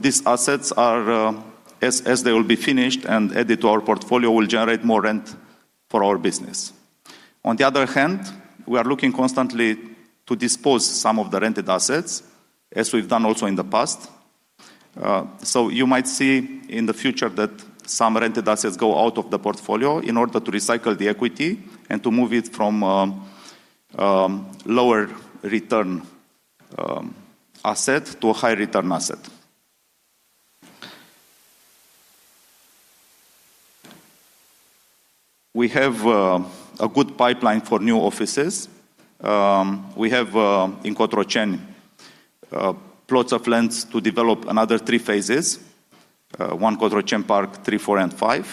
These assets are, as they will be finished and added to our portfolio, going to generate more rent for our business. On the other hand, we are looking constantly to dispose some of the rented assets, as we've done also in the past. You might see in the future that some rented assets go out of the portfolio in order to recycle the equity and to move it from a lower return asset to a high return asset. We have a good pipeline for new offices. We have in Cotroceni plots of land to develop another three phases: One Cotroceni Park, three, four, and five.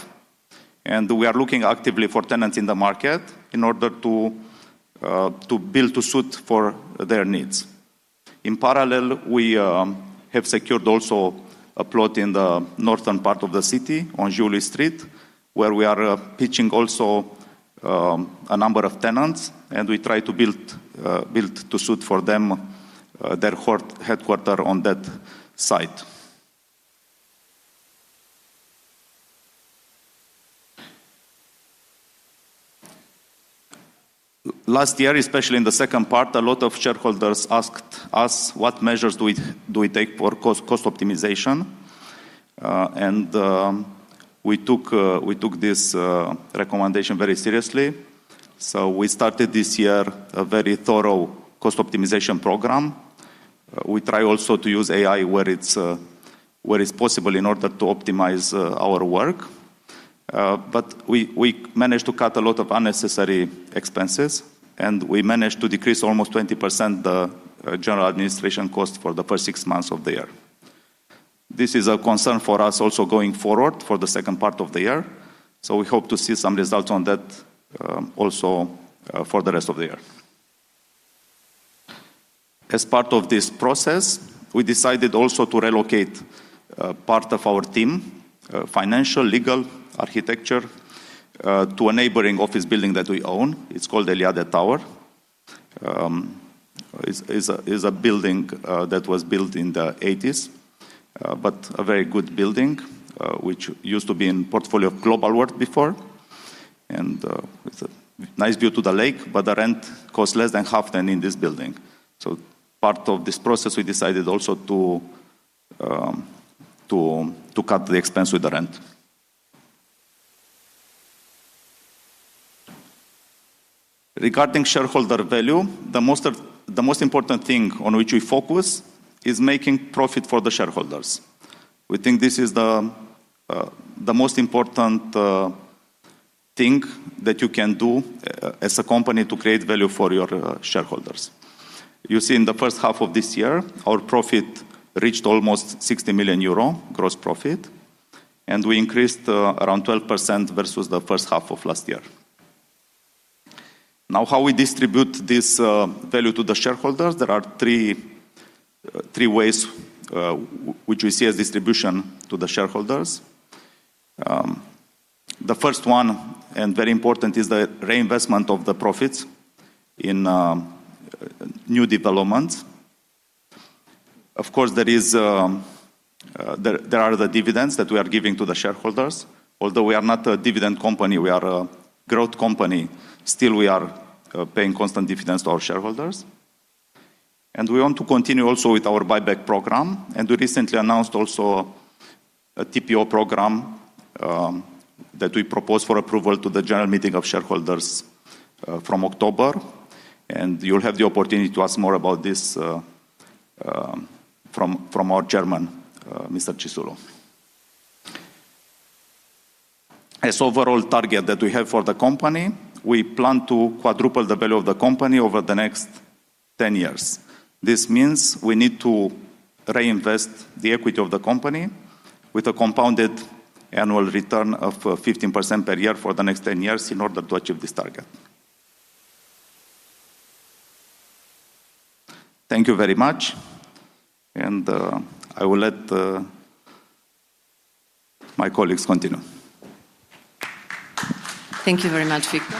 We are looking actively for tenants in the market in order to build to suit their needs. In parallel, we have secured also a plot in the northern part of the city on Julie Street, where we are pitching also a number of tenants, and we try to build to suit for them their headquarters on that site. Last year, especially in the second part, a lot of shareholders asked us what measures do we take for cost optimization. We took this recommendation very seriously. We started this year a very thorough cost optimization program. We try also to use AI where it's possible in order to optimize our work. We managed to cut a lot of unnecessary expenses, and we managed to decrease almost 20% the general administration cost for the first six months of the year. This is a concern for us also going forward for the second part of the year. We hope to see some results on that also for the rest of the year. As part of this process, we decided also to relocate part of our team, financial, legal, architecture to a neighboring office building that we own. It's called the Eliade Tower. It's a building that was built in the 1980s, but a very good building which used to be in the portfolio of Globalworth before. It's a nice view to the lake, but the rent costs less than half than in this building. As part of this process, we decided also to cut the expense with the rent. Regarding shareholder value, the most important thing on which we focus is making profit for the shareholders. We think this is the most important thing that you can do as a company to create value for your shareholders. You see, in the first half of this year, our profit reached almost €60 million gross profit, and we increased around 12% versus the first half of last year. Now, how we distribute this value to the shareholders, there are three ways which we see as distribution to the shareholders. The first one, and very important, is the reinvestment of the profits in new developments. Of course, there are the dividends that we are giving to the shareholders. Although we are not a dividend company, we are a growth company. Still, we are paying constant dividends to our shareholders. We want to continue also with our buyback program. We recently announced also a public tender offer program that we propose for approval to the general meeting of shareholders from October. You'll have the opportunity to ask more about this from our Chairman, Mr. Claudio Cisullo. As an overall target that we have for the company, we plan to quadruple the value of the company over the next 10 years. This means we need to reinvest the equity of the company with a compounded annual return of 15% per year for the next 10 years in order to achieve this target. Thank you very much. I will let my colleagues continue. Thank you very much, Victor.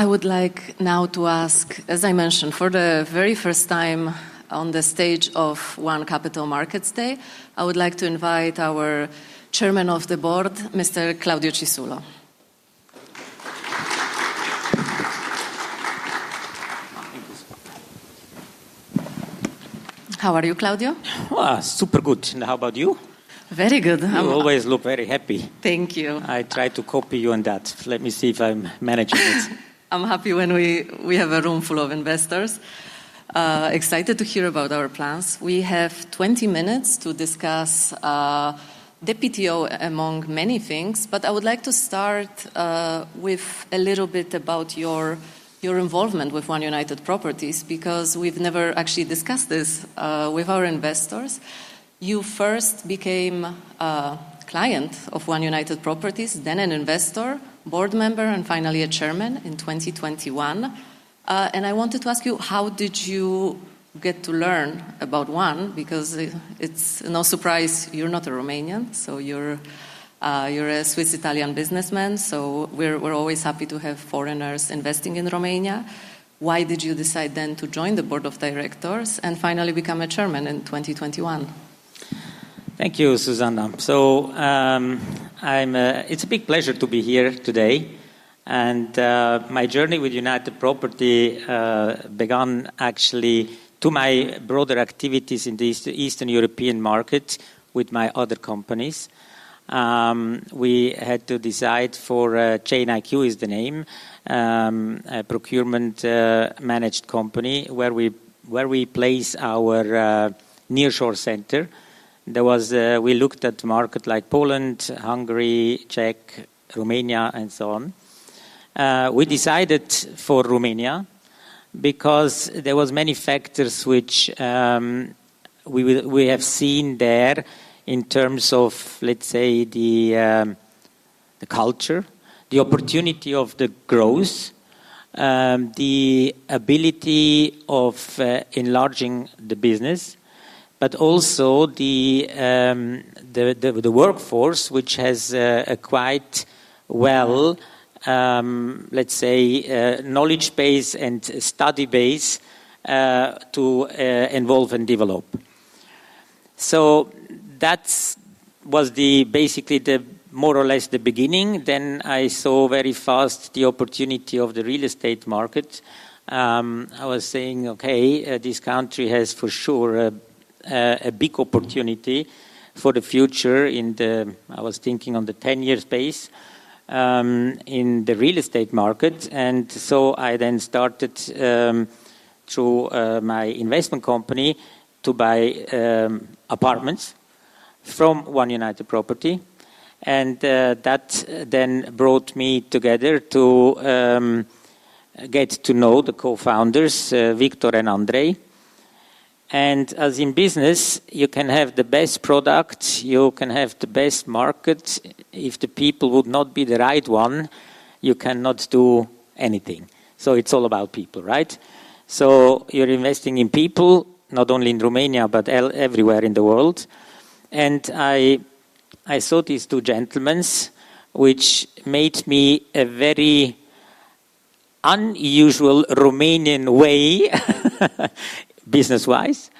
I would like now to ask, as I mentioned, for the very first time on the stage of One Capital Markets Day, I would like to invite our Chairman of the Board, Mr. Claudio Cisullo. How are you, Claudio? Super good. How about you? Very good. You always look very happy. Thank you. I'll try to copy you on that. Let me see if I manage this. I'm happy when we have a room full of investors, excited to hear about our plans. We have 20 minutes to discuss the PTO, among many things. I would like to start with a little bit about your involvement with One United Properties because we've never actually discussed this with our investors. You first became a client of One United Properties, then an investor, board member, and finally Chairman in 2021. I wanted to ask you, how did you get to learn about One? It's no surprise you're not a Romanian. You're a Swiss-Italian businessman. We're always happy to have foreigners investing in Romania. Why did you decide then to join the Board of Directors and finally become Chairman in 2021? Thank you, Zuzanna. It's a big pleasure to be here today. My journey with One United Properties began, actually, through my broader activities in the Eastern European markets with my other companies. We had to decide for ChainIQ, which is the name, a procurement-managed company, where we place our nearshore center. We looked at markets like Poland, Hungary, Czech, Romania, and so on. We decided for Romania because there were many factors which we have seen there in terms of, let's say, the culture, the opportunity of the growth, the ability of enlarging the business, but also the workforce, which has a quite well, let's say, knowledge base and study base to involve and develop. That was basically more or less the beginning. I saw very fast the opportunity of the real estate market. I was saying, "Okay, this country has for sure a big opportunity for the future." I was thinking on the 10-year space in the real estate market. I then started my investment company to buy apartments from One United Properties. That then brought me together to get to know the co-founders, Victor and Andrei. As in business, you can have the best product, you can have the best market. If the people would not be the right one, you cannot do anything. It's all about people, right? You're investing in people, not only in Romania, but everywhere in the world. I saw these two gentlemen, which made me a very unusual Romanian way business-wise.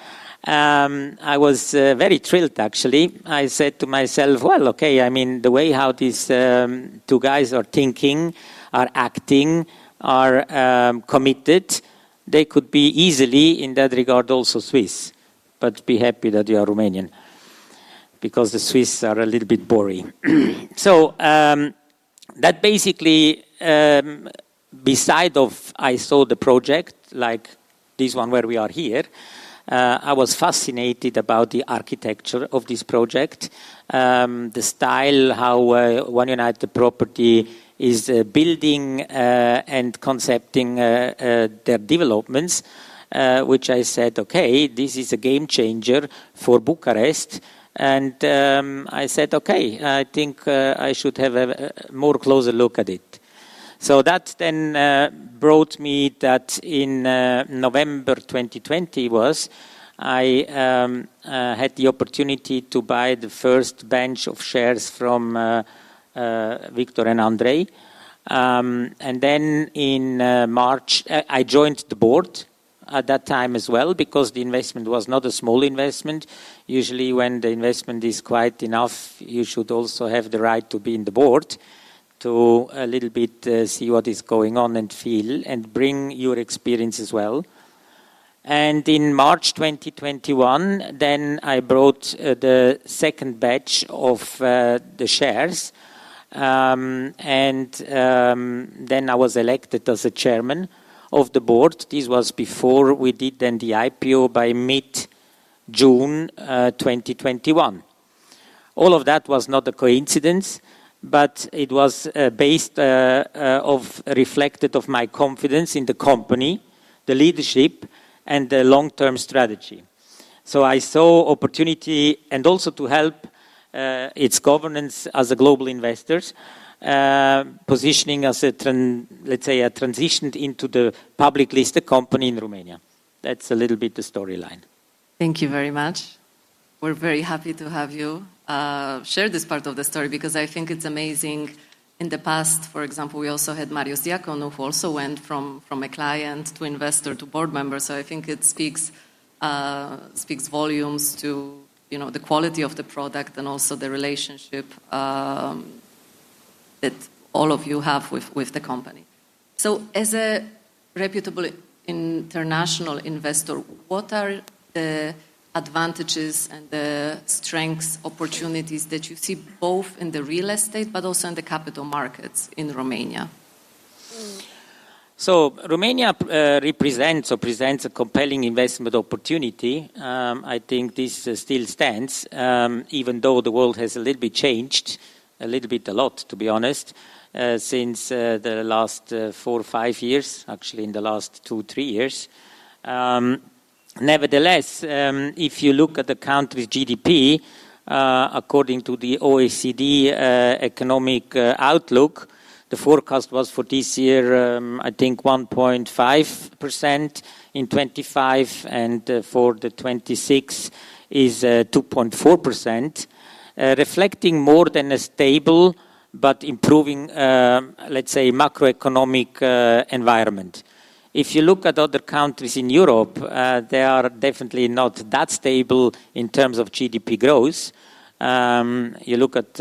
I was very thrilled, actually. I said to myself, "Okay, I mean, the way how these two guys are thinking, are acting, are committed, they could be easily, in that regard, also Swiss, but be happy that you are Romanian because the Swiss are a little bit boring." Besides, I saw the project, like this one where we are here. I was fascinated about the architecture of this project, the style, how One United Properties is building and concepting their developments, which I said, "Okay, this is a game changer for Bucharest." I said, "Okay, I think I should have a more closer look at it." That then brought me that in November 2020, I had the opportunity to buy the first bench of shares from Victor and Andrei. In March, I joined the board at that time as well because the investment was not a small investment. Usually, when the investment is quite enough, you should also have the right to be in the board to a little bit see what is going on and feel and bring your experience as well. In March 2021, I brought the second batch of the shares. I was elected as Chairman of the Board. This was before we did the IPO by mid-June 2021. All of that was not a coincidence, but it was based on my confidence in the company, the leadership, and the long-term strategy. I saw opportunity and also to help its governance as a global investors positioning as a transition into the public listed company in Romania. That's a little bit the storyline. Thank you very much. We're very happy to have you share this part of the story because I think it's amazing. In the past, for example, we also had Marius Diaconu, who also went from a client to investor to board member. I think it speaks volumes to the quality of the product and also the relationship that all of you have with the company. As a reputable international investor, what are the advantages and the strengths, opportunities that you see both in the real estate, but also in the capital markets in Romania? Romania represents or presents a compelling investment opportunity. I think this still stands, even though the world has changed a little bit, a little bit a lot, to be honest, since the last four or five years, actually in the last two, three years. Nevertheless, if you look at the country's GDP, according to the OECD economic outlook, the forecast was for this year, I think, 1.5% in 2025, and for 2026 is 2.4%, reflecting more than a stable, but improving, let's say, macroeconomic environment. If you look at other countries in Europe, they are definitely not that stable in terms of GDP growth. You look at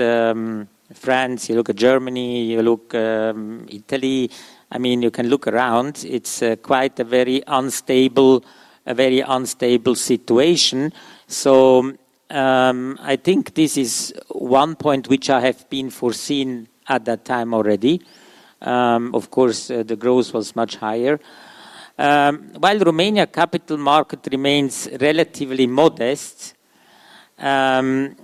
France, you look at Germany, you look at Italy. You can look around. It's quite a very unstable situation. I think this is one point which I have been foreseeing at that time already. Of course, the growth was much higher. While the Romania capital market remains relatively modest and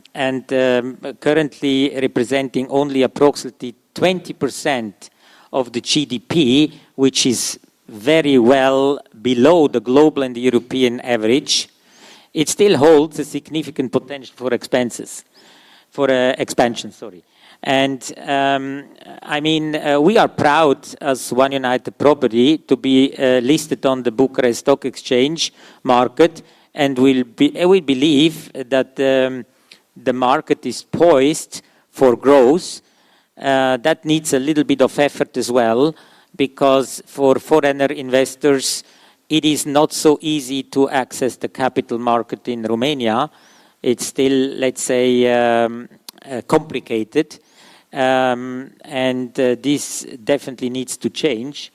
currently representing only approximately 20% of the GDP, which is very well below the global and the European average, it still holds significant potential for expansion. We are proud as One United Properties to be listed on the Bucharest Stock Exchange market. We believe that the market is poised for growth. That needs a little bit of effort as well because for foreign investors, it is not so easy to access the capital market in Romania. It's still, let's say, complicated. This definitely needs to change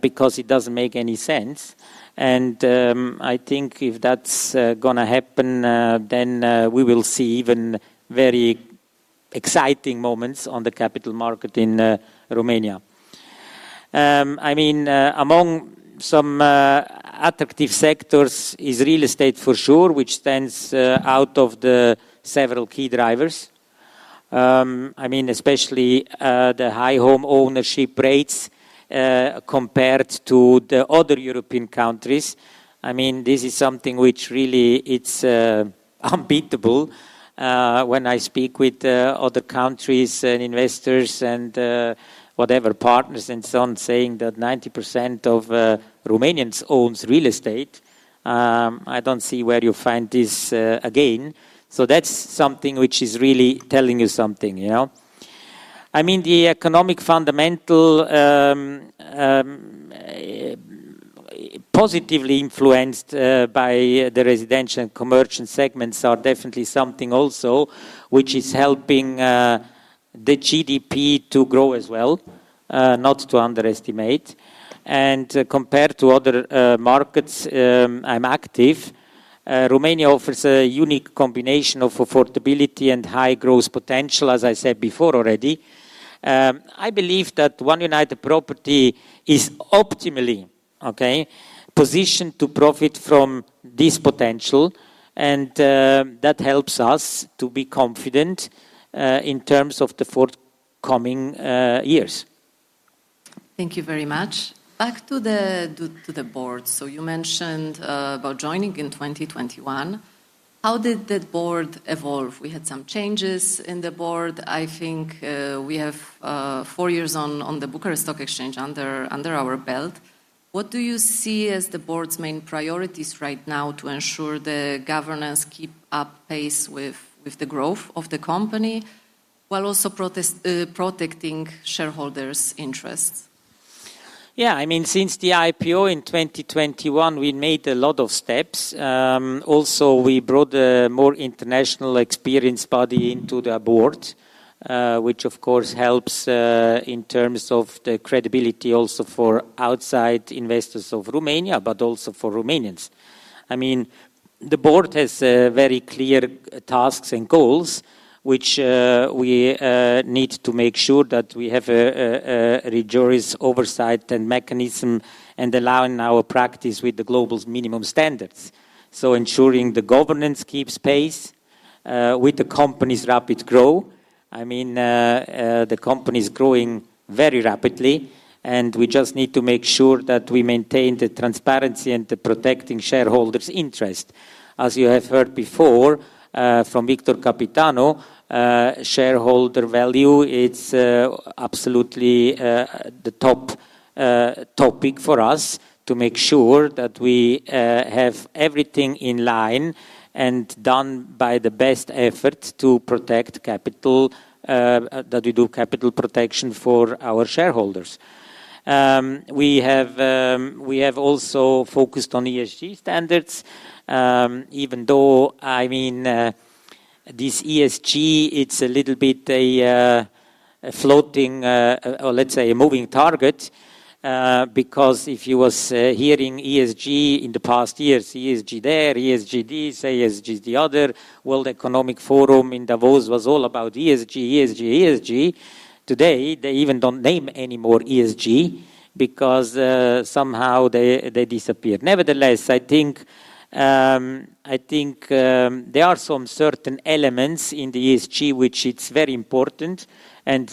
because it doesn't make any sense. I think if that's going to happen, then we will see even very exciting moments on the capital market in Romania. Among some attractive sectors is real estate for sure, which stands out as one of the several key drivers. Especially the high home ownership rates compared to the other European countries. This is something which really is unbeatable when I speak with other countries and investors and partners and so on, saying that 90% of Romanians own real estate. I don't see where you find this again. That's something which is really telling you something. The economic fundamental positively influenced by the residential and commercial segments are definitely something also which is helping the GDP to grow as well, not to underestimate. Compared to other markets I'm active, Romania offers a unique combination of affordability and high growth potential, as I said before already. I believe that One United Properties is optimally positioned to profit from this potential. That helps us to be confident in terms of the forthcoming years. Thank you very much. Back to the board. You mentioned about joining in 2021. How did the board evolve? We had some changes in the board. I think we have four years on the Bucharest Stock Exchange under our belt. What do you see as the board's main priorities right now to ensure the governance keeps up pace with the growth of the company while also protecting shareholders' interests? Yeah, I mean, since the IPO in 2021, we made a lot of steps. Also, we brought a more international experienced body into the board, which of course helps in terms of the credibility also for outside investors of Romania, but also for Romanians. The board has very clear tasks and goals, which we need to make sure that we have a rigorous oversight and mechanism and allowing our practice with the global minimum standards. Ensuring the governance keeps pace with the company's rapid growth. I mean, the company is growing very rapidly. We just need to make sure that we maintain the transparency and the protecting shareholders' interest. As you have heard before from Victor Căpitanu, shareholder value, it's absolutely the top topic for us to make sure that we have everything in line and done by the best effort to protect capital, that we do capital protection for our shareholders. We have also focused on ESG standards, even though, I mean, this ESG, it's a little bit a floating, or let's say a moving target, because if you were hearing ESG in the past years, ESG there, ESG this, ESG the other, World Economic Forum in Davos was all about ESG, ESG, ESG. Today, they even don't name any more ESG because somehow they disappeared. Nevertheless, I think there are some certain elements in the ESG which are very important.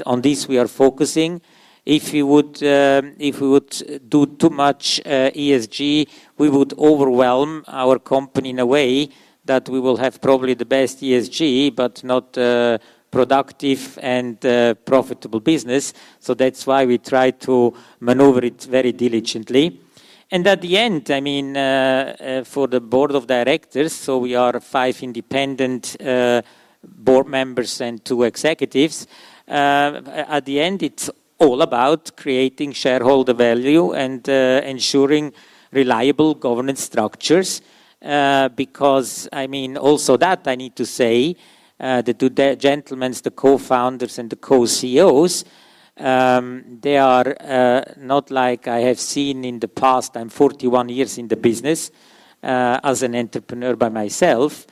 On this, we are focusing. If we would do too much ESG, we would overwhelm our company in a way that we will have probably the best ESG, but not a productive and profitable business. That's why we try to maneuver it very diligently. At the end, I mean, for the Board of Directors, we are five independent board members and two executives. At the end, it's all about creating shareholder value and ensuring reliable governance structures. I mean, also that I need to say, the two gentlemen, the co-founders and the co-CEOs, they are not like I have seen in the past. I'm 41 years in the business as an entrepreneur by myself.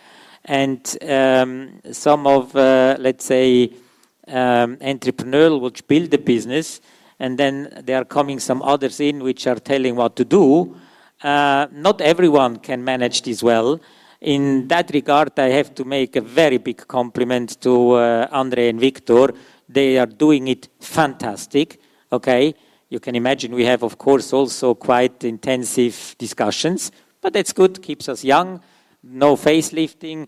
Some of, let's say, entrepreneurs which build the business, and then there are coming some others in which are telling what to do. Not everyone can manage this well. In that regard, I have to make a very big compliment to Andrei and Victor. They are doing it fantastic. Okay, you can imagine we have, of course, also quite intensive discussions, but that's good. Keeps us young, no facelifting.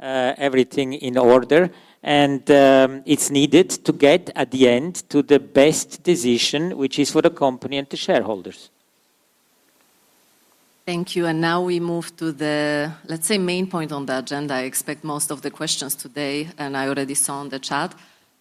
Everything in order. It's needed to get at the end to the best decision, which is for the company and the shareholders. Thank you. Now we move to the main point on the agenda. I expect most of the questions today, and I already saw on the chat,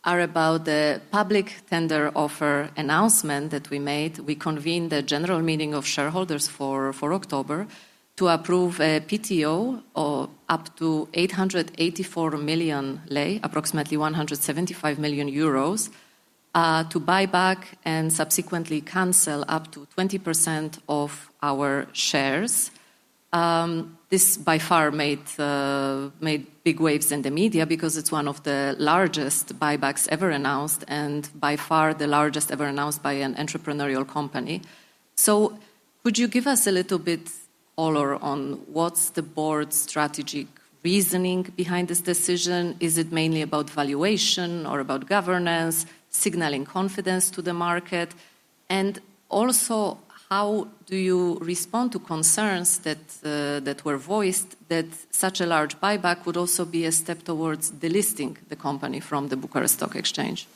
are about the public tender offer announcement that we made. We convened a general meeting of shareholders for October to approve a PTO of up to €884 million, approximately $175 million, to buy back and subsequently cancel up to 20% of our shares. This by far made big waves in the media because it's one of the largest buybacks ever announced and by far the largest ever announced by an entrepreneurial company. Could you give us a little bit of color on what's the board's strategic reasoning behind this decision? Is it mainly about valuation or about governance, signaling confidence to the market? Also, how do you respond to concerns that were voiced that such a large buyback would also be a step towards delisting the company from the Bucharest Stock Exchange?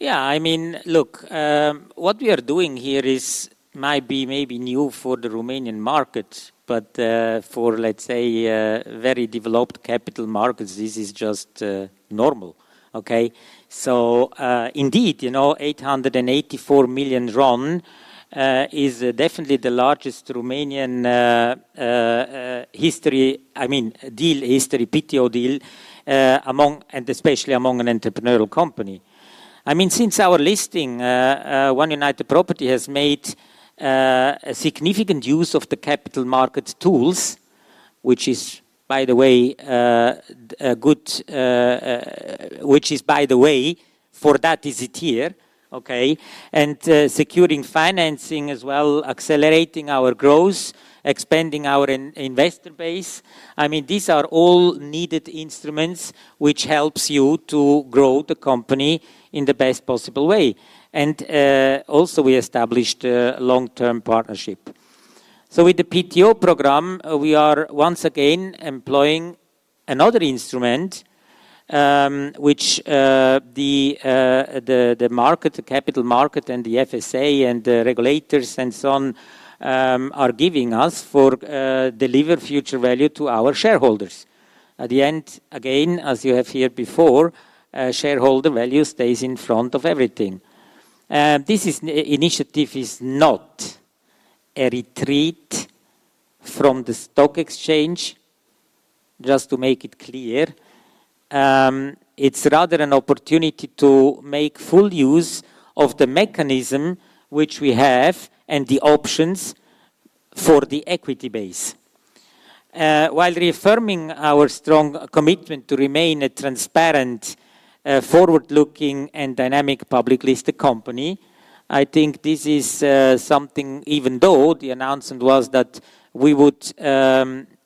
Yeah, I mean, look, what we are doing here might be maybe new for the Romanian market, but for, let's say, very developed capital markets, this is just normal. Indeed, you know, €884 million is definitely the largest in Romanian history, I mean, deal history, PTO deal, and especially among an entrepreneurial company. Since our listing, One United Properties has made significant use of the capital markets tools, which is, by the way, a good, which is, by the way, for that easy tier, and securing financing as well, accelerating our growth, expanding our investor base. These are all needed instruments which help you to grow the company in the best possible way. Also, we established a long-term partnership. With the PTO program, we are once again employing another instrument which the market, the capital market, and the FSA and the regulators and so on are giving us for delivering future value to our shareholders. At the end, again, as you have heard before, shareholder value stays in front of everything. This initiative is not a retreat from the stock exchange, just to make it clear. It's rather an opportunity to make full use of the mechanism which we have and the options for the equity base. While reaffirming our strong commitment to remain a transparent, forward-looking, and dynamic public listed company, I think this is something, even though the announcement was that we would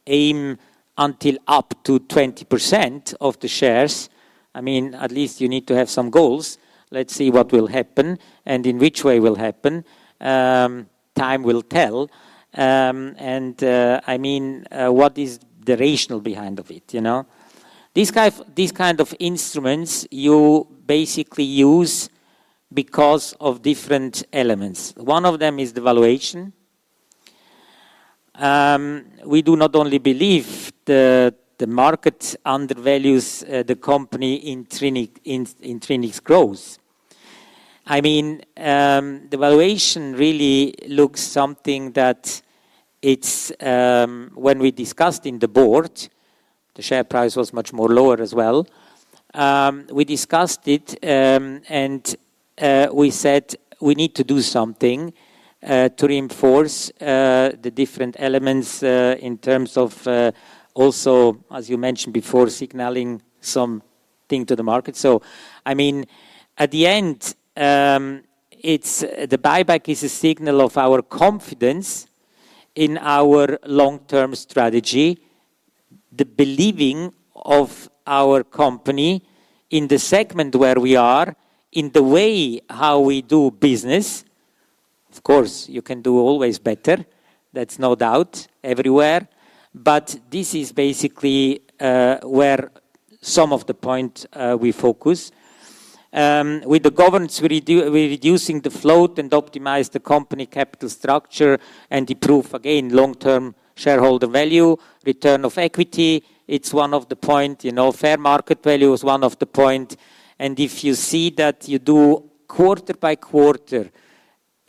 aim until up to 20% of the shares. At least you need to have some goals. Let's see what will happen and in which way it will happen. Time will tell. What is the rational behind it? You know, these kinds of instruments you basically use because of different elements. One of them is the valuation. We do not only believe the market undervalues the company in intrinsic growth. The valuation really looks something that when we discussed in the board, the share price was much more lower as well. We discussed it and we said we need to do something to reinforce the different elements in terms of also, as you mentioned before, signaling something to the market. At the end, the buyback is a signal of our confidence in our long-term strategy, the believing of our company in the segment where we are, in the way how we do business. Of course, you can do always better. That's no doubt everywhere. This is basically where some of the points we focus. With the governance, we're reducing the float and optimize the company capital structure and improve, again, long-term shareholder value, return of equity. It's one of the points. Fair market value is one of the points. If you see that you do quarter by quarter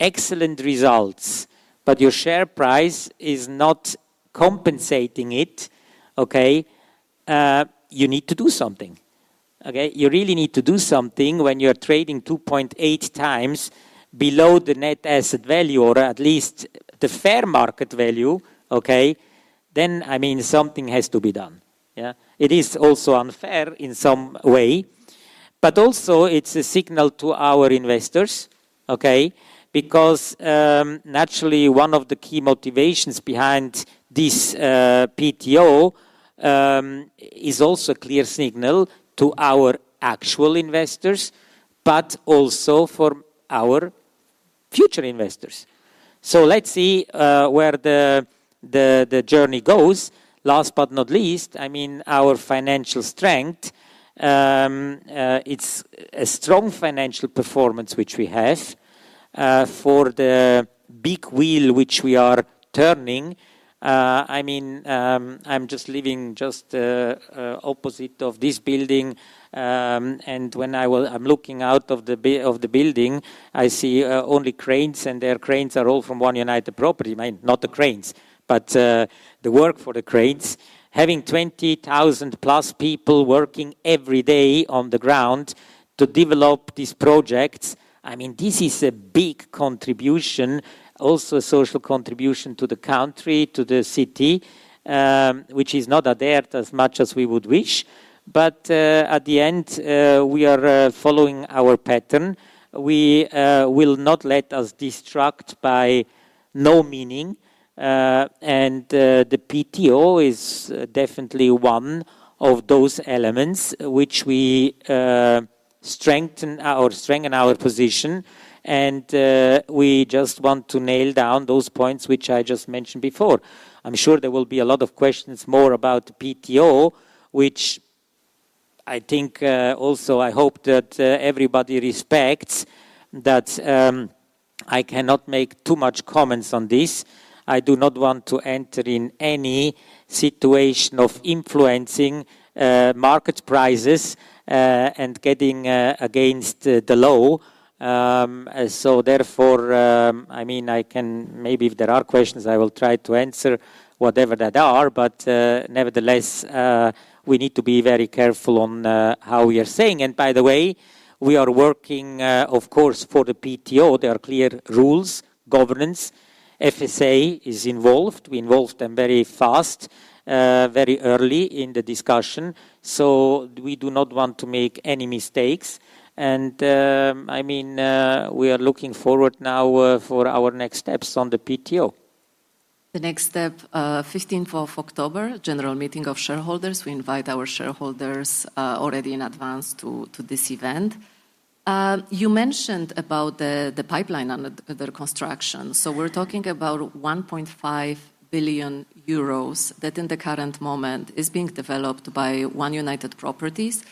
excellent results, but your share price is not compensating it, you need to do something. You really need to do something when you're trading 2.8x below the net asset value or at least the fair market value. Then, I mean, something has to be done. It is also unfair in some way. It is also a signal to our investors, because naturally, one of the key motivations behind this public tender offer (PTO) is also a clear signal to our actual investors, but also for our future investors. Let's see where the journey goes. Last but not least, our financial strength, it's a strong financial performance which we have for the big wheel which we are turning. I'm just living just opposite of this building. When I'm looking out of the building, I see only cranes, and their cranes are all from One United Properties. I mean, not the cranes, but the work for the cranes. Having 20,000 plus people working every day on the ground to develop these projects, this is a big contribution, also a social contribution to the country, to the city, which is not there as much as we would wish. At the end, we are following our pattern. We will not let us distract by no meaning. The PTO is definitely one of those elements which we strengthen our position. We just want to nail down those points which I just mentioned before. I'm sure there will be a lot of questions more about the PTO, which I think also, I hope that everybody respects that I cannot make too much comments on this. I do not want to enter in any situation of influencing market prices and getting against the law. Therefore, I can maybe if there are questions, I will try to answer whatever that are. Nevertheless, we need to be very careful on how we are saying. By the way, we are working, of course, for the PTO. There are clear rules, governance. FSA is involved. We involved them very fast, very early in the discussion. We do not want to make any mistakes. We are looking forward now for our next steps on the PTO. The next step, 15th of October, general meeting of shareholders. We invite our shareholders already in advance to this event. You mentioned about the pipeline under construction. We're talking about €1.5 billion that at the current moment is being developed by One United Properties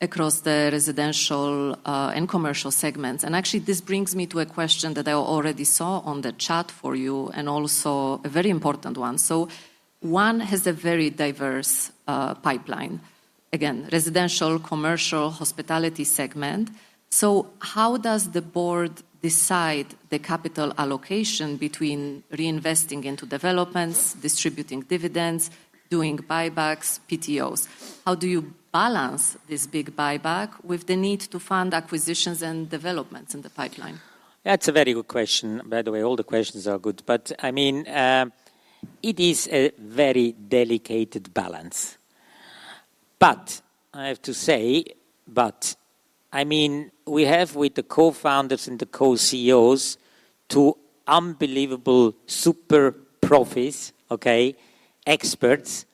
across the residential and commercial segments. This brings me to a question that I already saw on the chat for you and also a very important one. One has a very diverse pipeline: residential, commercial, hospitality segment. How does the board decide the capital allocation between reinvesting into developments, distributing dividends, doing buybacks, PTOs? How do you balance this big buyback with the need to fund acquisitions and developments in the pipeline? That's a very good question. By the way, all the questions are good. It is a very delicate balance. I have to say, we have with the co-founders and the co-CEOs two unbelievable super profis, experts.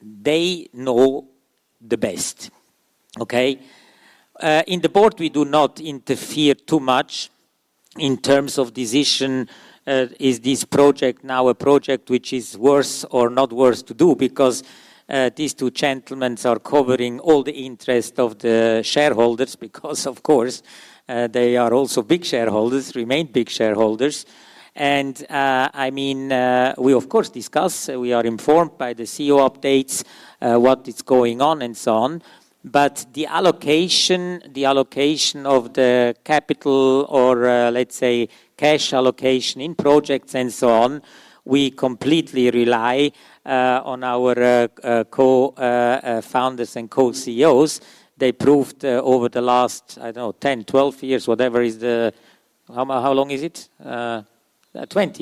They know the best. In the board, we do not interfere too much in terms of decision. Is this project now a project which is worse or not worse to do? These two gentlemen are covering all the interests of the shareholders because, of course, they are also big shareholders, remain big shareholders. We, of course, discuss. We are informed by the CEO updates, what is going on and so on. The allocation, the allocation of the capital or, let's say, cash allocation in projects and so on, we completely rely on our co-founders and co-CEOs. They proved over the last, I don't know, 10, 12 years, whatever is the... How long is it? 20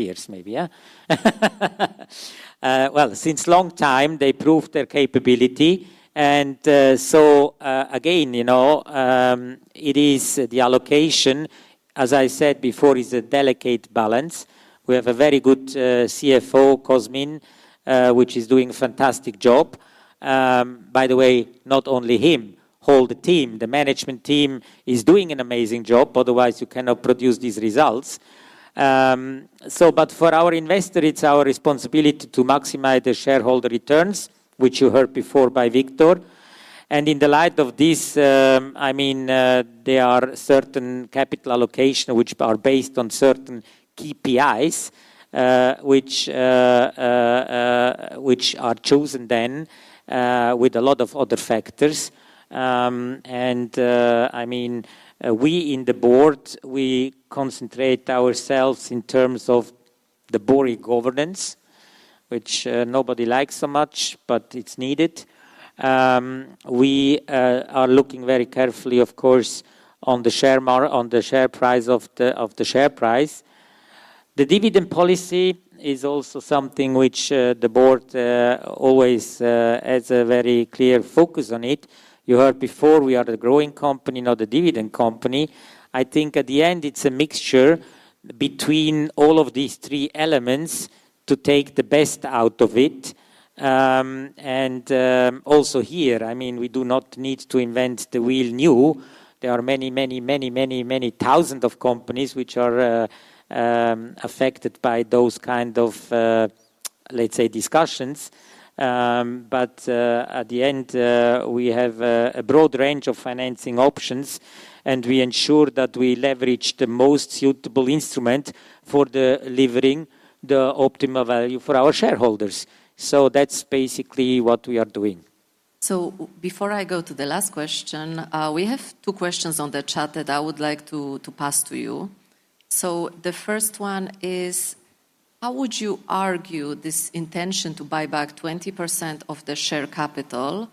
years, maybe. Since a long time, they proved their capability. Again, it is the allocation. As I said before, it's a delicate balance. We have a very good CFO, Cosmin Samoila, which is doing a fantastic job. By the way, not only him, the whole team, the management team is doing an amazing job. Otherwise, you cannot produce these results. For our investor, it's our responsibility to maximize the shareholder returns, which you heard before by Victor Căpitanu. In the light of this, there are certain capital allocations which are based on certain KPIs which are chosen then with a lot of other factors. We in the board, we concentrate ourselves in terms of the boring governance, which nobody likes so much, but it's needed. We are looking very carefully, of course, on the share price. The dividend policy is also something which the board always has a very clear focus on it. You heard before, we are a growing company, not a dividend company. I think at the end, it's a mixture between all of these three elements to take the best out of it. Also here, we do not need to invent the wheel new. There are many, many, many, many, many thousands of companies which are affected by those kinds of discussions. At the end, we have a broad range of financing options, and we ensure that we leverage the most suitable instrument for delivering the optimal value for our shareholders. That's basically what we are doing. Before I go to the last question, we have two questions on the chat that I would like to pass to you. The first one is, how would you argue this intention to buy back 20% of the share capital,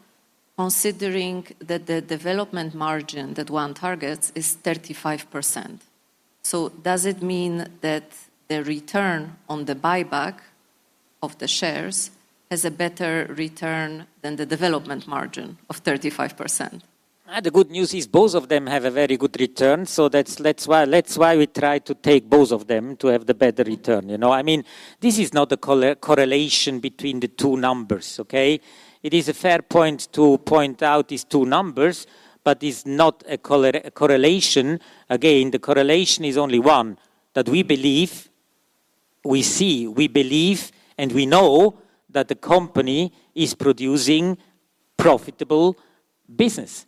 considering that the development margin that One targets is 35%? Does it mean that the return on the buyback of the shares has a better return than the development margin of 35%? The good news is both of them have a very good return. That's why we try to take both of them to have the better return. I mean, this is not a correlation between the two numbers. It is a fair point to point out these two numbers, but it's not a correlation. The correlation is only one that we believe, we see, we believe, and we know that the company is producing profitable business.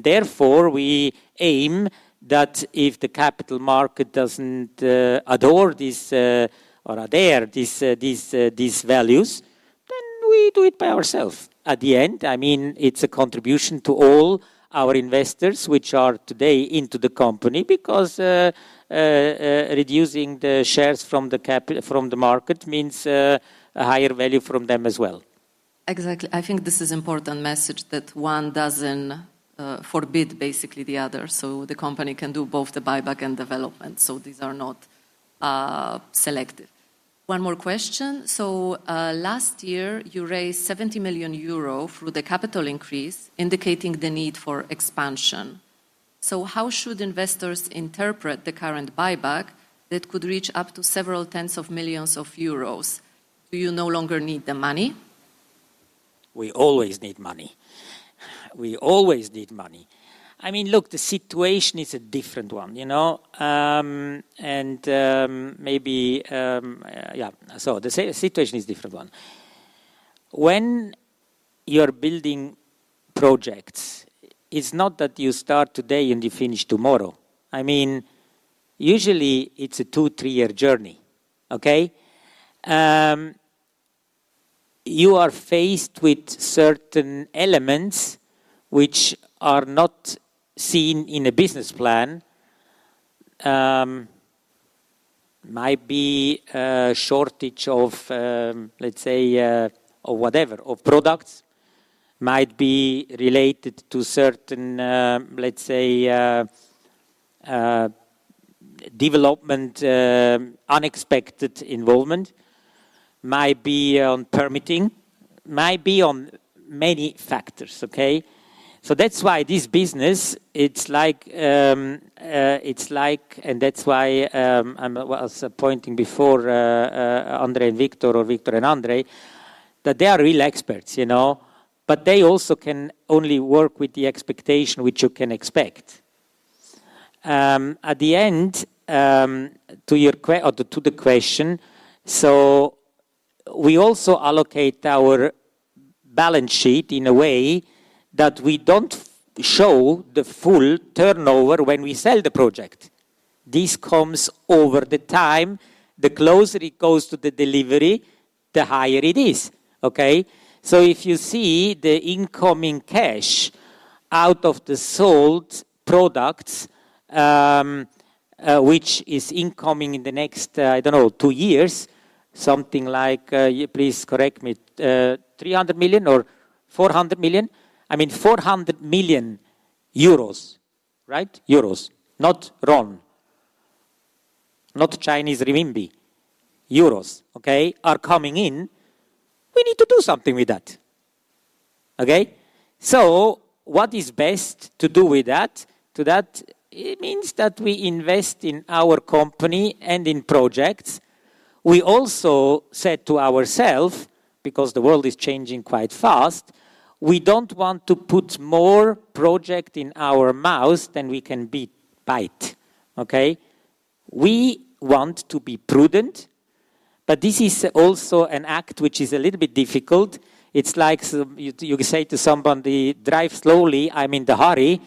Therefore, we aim that if the capital market doesn't adore these or adhere to these values, then we do it by ourselves at the end. I mean, it's a contribution to all our investors, which are today into the company, because reducing the shares from the market means a higher value from them as well. Exactly. I think this is an important message that one doesn't forbid basically the other. The company can do both the buyback and development. These are not selective. One more question. Last year, you raised €70 million through the capital increase, indicating the need for expansion. How should investors interpret the current buyback that could reach up to several tens of millions of euros? Do you no longer need the money? We always need money. We always need money. I mean, look, the situation is a different one. You know, maybe, yeah, the situation is a different one. When you are building projects, it's not that you start today and you finish tomorrow. Usually, it's a two, three-year journey. You are faced with certain elements which are not seen in a business plan. Might be a shortage of, let's say, or whatever, of products. Might be related to certain, let's say, development, unexpected involvement. Might be on permitting. Might be on many factors. That's why this business, it's like, and that's why I was pointing before Andrei and Victor or Victor and Andrei, that they are real experts, you know, but they also can only work with the expectation which you can expect. At the end, to the question, we also allocate our balance sheet in a way that we don't show the full turnover when we sell the project. This comes over the time. The closer it goes to the delivery, the higher it is. If you see the incoming cash out of the sold products, which is incoming in the next, I don't know, two years, something like, please correct me, €300 million or €400 million. I mean, €400 million, right? Euros, not RON, not Chinese RMB, euros, are coming in. We need to do something with that. What is best to do with that? To that, it means that we invest in our company and in projects. We also said to ourselves, because the world is changing quite fast, we don't want to put more projects in our mouth than we can bite. We want to be prudent, but this is also an act which is a little bit difficult. It's like you say to somebody, "Drive slowly. I'm in the hurry."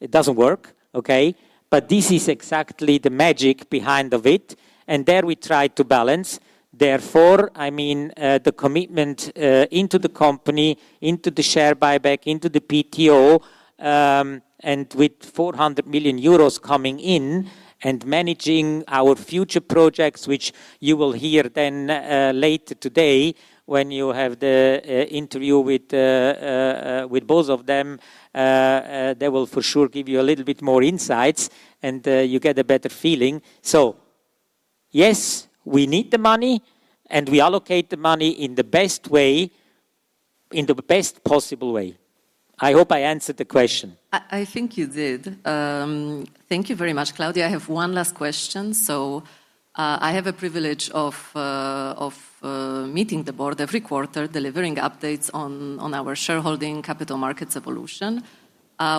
It doesn't work. This is exactly the magic behind it. There we try to balance. Therefore, the commitment into the company, into the share buyback, into the public tender offer, and with €400 million coming in and managing our future projects, which you will hear then later today when you have the interview with both of them, they will for sure give you a little bit more insights and you get a better feeling. Yes, we need the money and we allocate the money in the best way, in the best possible way. I hope I answered the question. I think you did. Thank you very much, Claudio. I have one last question. I have a privilege of meeting the board every quarter, delivering updates on our shareholding capital markets evolution.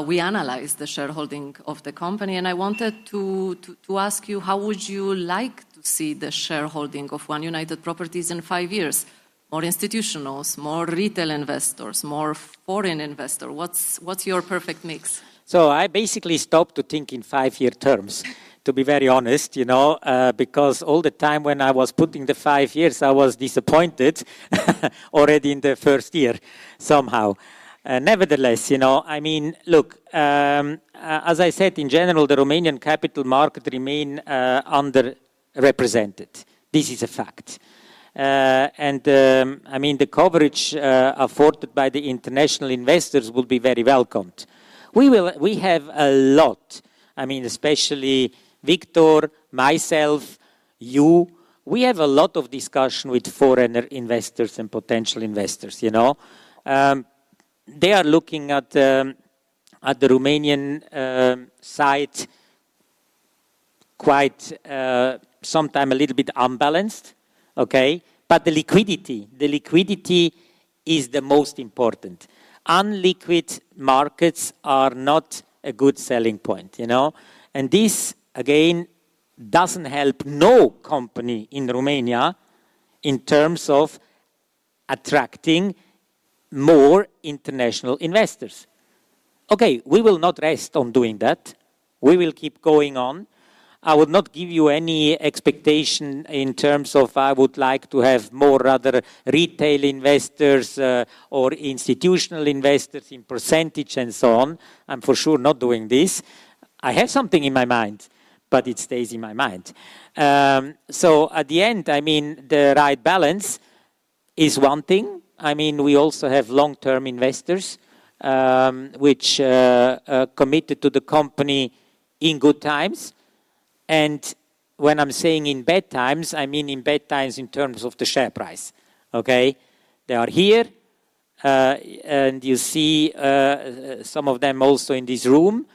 We analyze the shareholding of the company, and I wanted to ask you, how would you like to see the shareholding of One United Properties in five years? More institutionals, more retail investors, more foreign investors? What's your perfect mix? I basically stopped to think in five-year terms, to be very honest, because all the time when I was putting the five years, I was disappointed already in the first year somehow. Nevertheless, as I said, in general, the Romanian capital market remains underrepresented. This is a fact. The coverage afforded by the international investors will be very welcomed. We have a lot, especially Victor, myself, you, we have a lot of discussion with foreign investors and potential investors. They are looking at the Romanian side quite sometimes a little bit unbalanced. The liquidity is the most important. Unliquid markets are not a good selling point. This, again, doesn't help any company in Romania in terms of attracting more international investors. We will not rest on doing that. We will keep going on. I would not give you any expectation in terms of I would like to have more other retail investors or institutional investors in % and so on. I'm for sure not doing this. I have something in my mind, but it stays in my mind. At the end, the right balance is one thing. We also have long-term investors which are committed to the company in good times. When I'm saying in bad times, I mean in bad times in terms of the share price. They are here and you see some of them also in this room,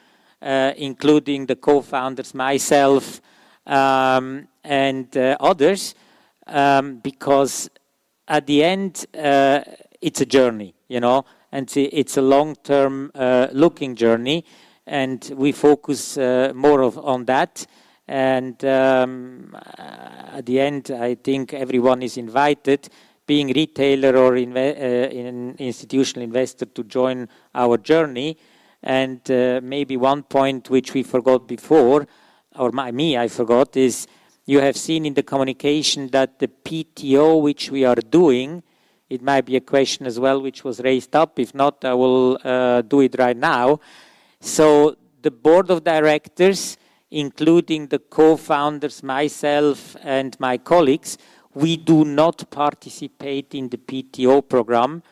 including the co-founders, myself, and others, because at the end, it's a journey and it's a long-term looking journey. We focus more on that. At the end, I think everyone is invited, being a retailer or an institutional investor, to join our journey. Maybe one point which we forgot before, or I forgot, is you have seen in the communication that the public tender offer which we are doing, it might be a question as well which was raised up. If not, I will do it right now. The Board of Directors, including the co-founders, myself, and my colleagues, do not participate in the public tender offer program.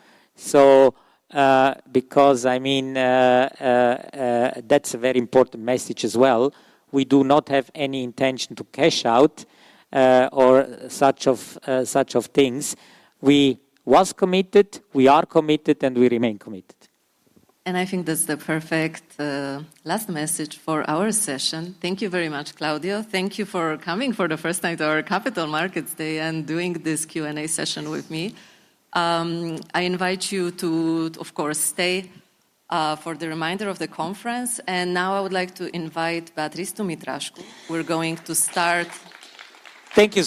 That's a very important message as well. We do not have any intention to cash out or such things. We were committed, we are committed, and we remain committed. I think that's the perfect last message for our session. Thank you very much, Claudio. Thank you for coming for the first time to our Capital Markets Day and doing this Q&A session with me. I invite you to, of course, stay for the remainder of the conference. Now I would like to invite Beatrice Dumitrașcu. We're going to start. Thank you,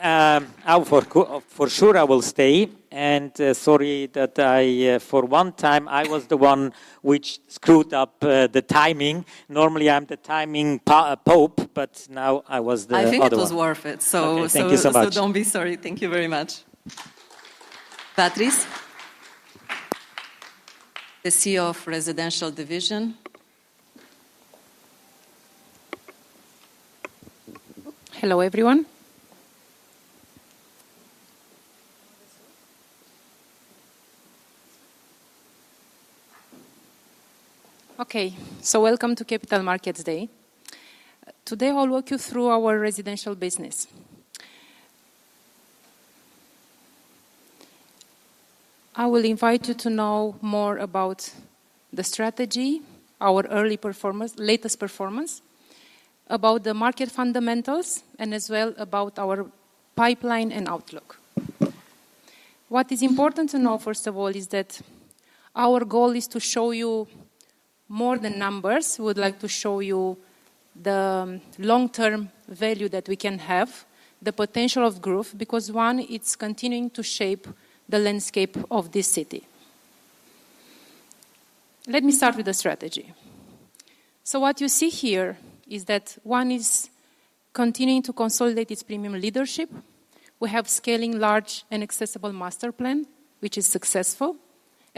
Zuzanna. I will stay. Sorry that I, for one time, was the one which screwed up the timing. Normally, I'm the timing pope, but now I was the father. I think it was worth it. Thank you so much. Thank you very much. Beatrice Dumitrașcu, the CEO of Residential Division. Hello everyone. Okay, so welcome to Capital Markets Day. Today, I'll walk you through our residential business. I will invite you to know more about the strategy, our early performance, latest performance, about the market fundamentals, and as well about our pipeline and outlook. What is important to know, first of all, is that our goal is to show you more than numbers. We would like to show you the long-term value that we can have, the potential of growth, because One is continuing to shape the landscape of this city. Let me start with the strategy. What you see here is that One is continuing to consolidate its premium leadership. We have a scaling large and accessible master plan, which is successful.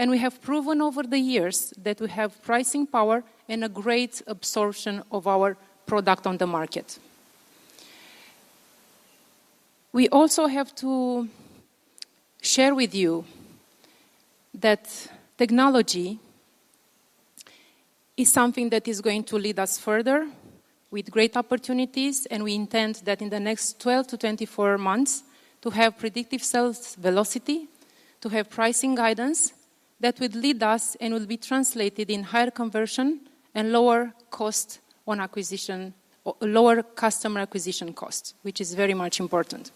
We have proven over the years that we have pricing power and a great absorption of our product on the market. We also have to share with you that technology is something that is going to lead us further with great opportunities. We intend that in the next 12-24 months, to have predictive sales velocity, to have pricing guidance that would lead us and would be translated in higher conversion and lower cost on acquisition, lower customer acquisition cost, which is very much important.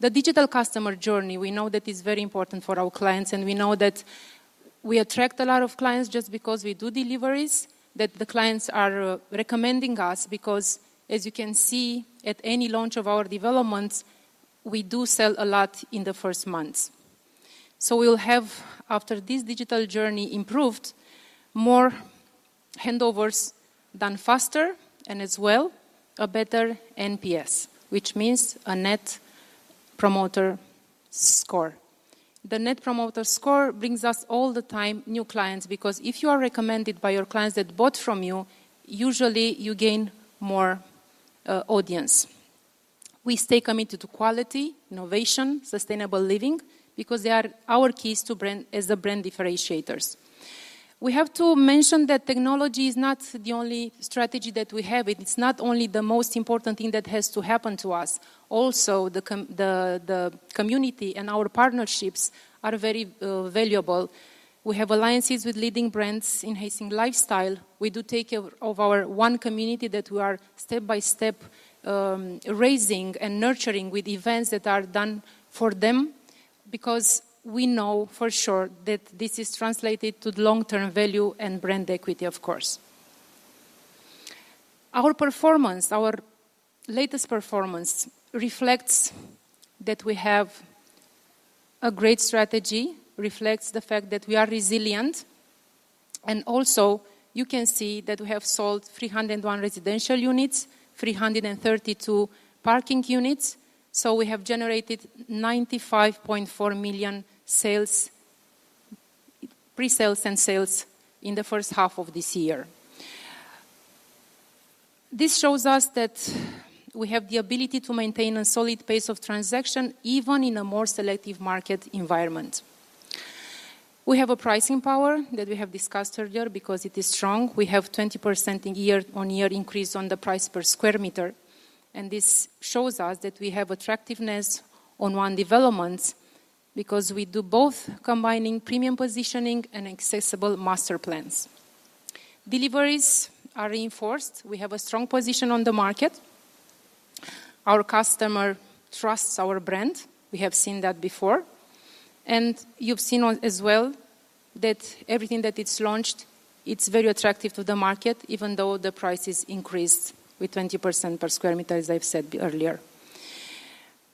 The digital customer journey, we know that it's very important for our clients. We know that we attract a lot of clients just because we do deliveries, that the clients are recommending us because, as you can see, at any launch of our developments, we do sell a lot in the first months. We'll have, after this digital journey improved, more handovers done faster and as well a better NPS, which means a net promoter score. The net promoter score brings us all the time new clients because if you are recommended by your clients that bought from you, usually you gain more audience. We stay committed to quality, innovation, sustainable living because they are our keys to brand as the brand differentiators. We have to mention that technology is not the only strategy that we have. It's not only the most important thing that has to happen to us. Also, the community and our partnerships are very valuable. We have alliances with leading brands in Hastings Lifestyle. We do take care of our One community that we are step by step raising and nurturing with events that are done for them because we know for sure that this is translated to long-term value and brand equity, of course. Our latest performance reflects that we have a great strategy, reflects the fact that we are resilient. You can see that we have sold 301 residential units, 332 parking units. We have generated €95.4 million sales, pre-sales, and sales in the first half of this year. This shows us that we have the ability to maintain a solid pace of transaction, even in a more selective market environment. We have a pricing power that we have discussed earlier because it is strong. We have a 20% year-on-year increase on the price per square meter. This shows us that we have attractiveness on One development because we do both, combining premium positioning and accessible master plans. Deliveries are reinforced. We have a strong position on the market. Our customer trusts our brand. We have seen that before. You have seen as well that everything that is launched is very attractive to the market, even though the price has increased by 20% per square meter, as I've said earlier.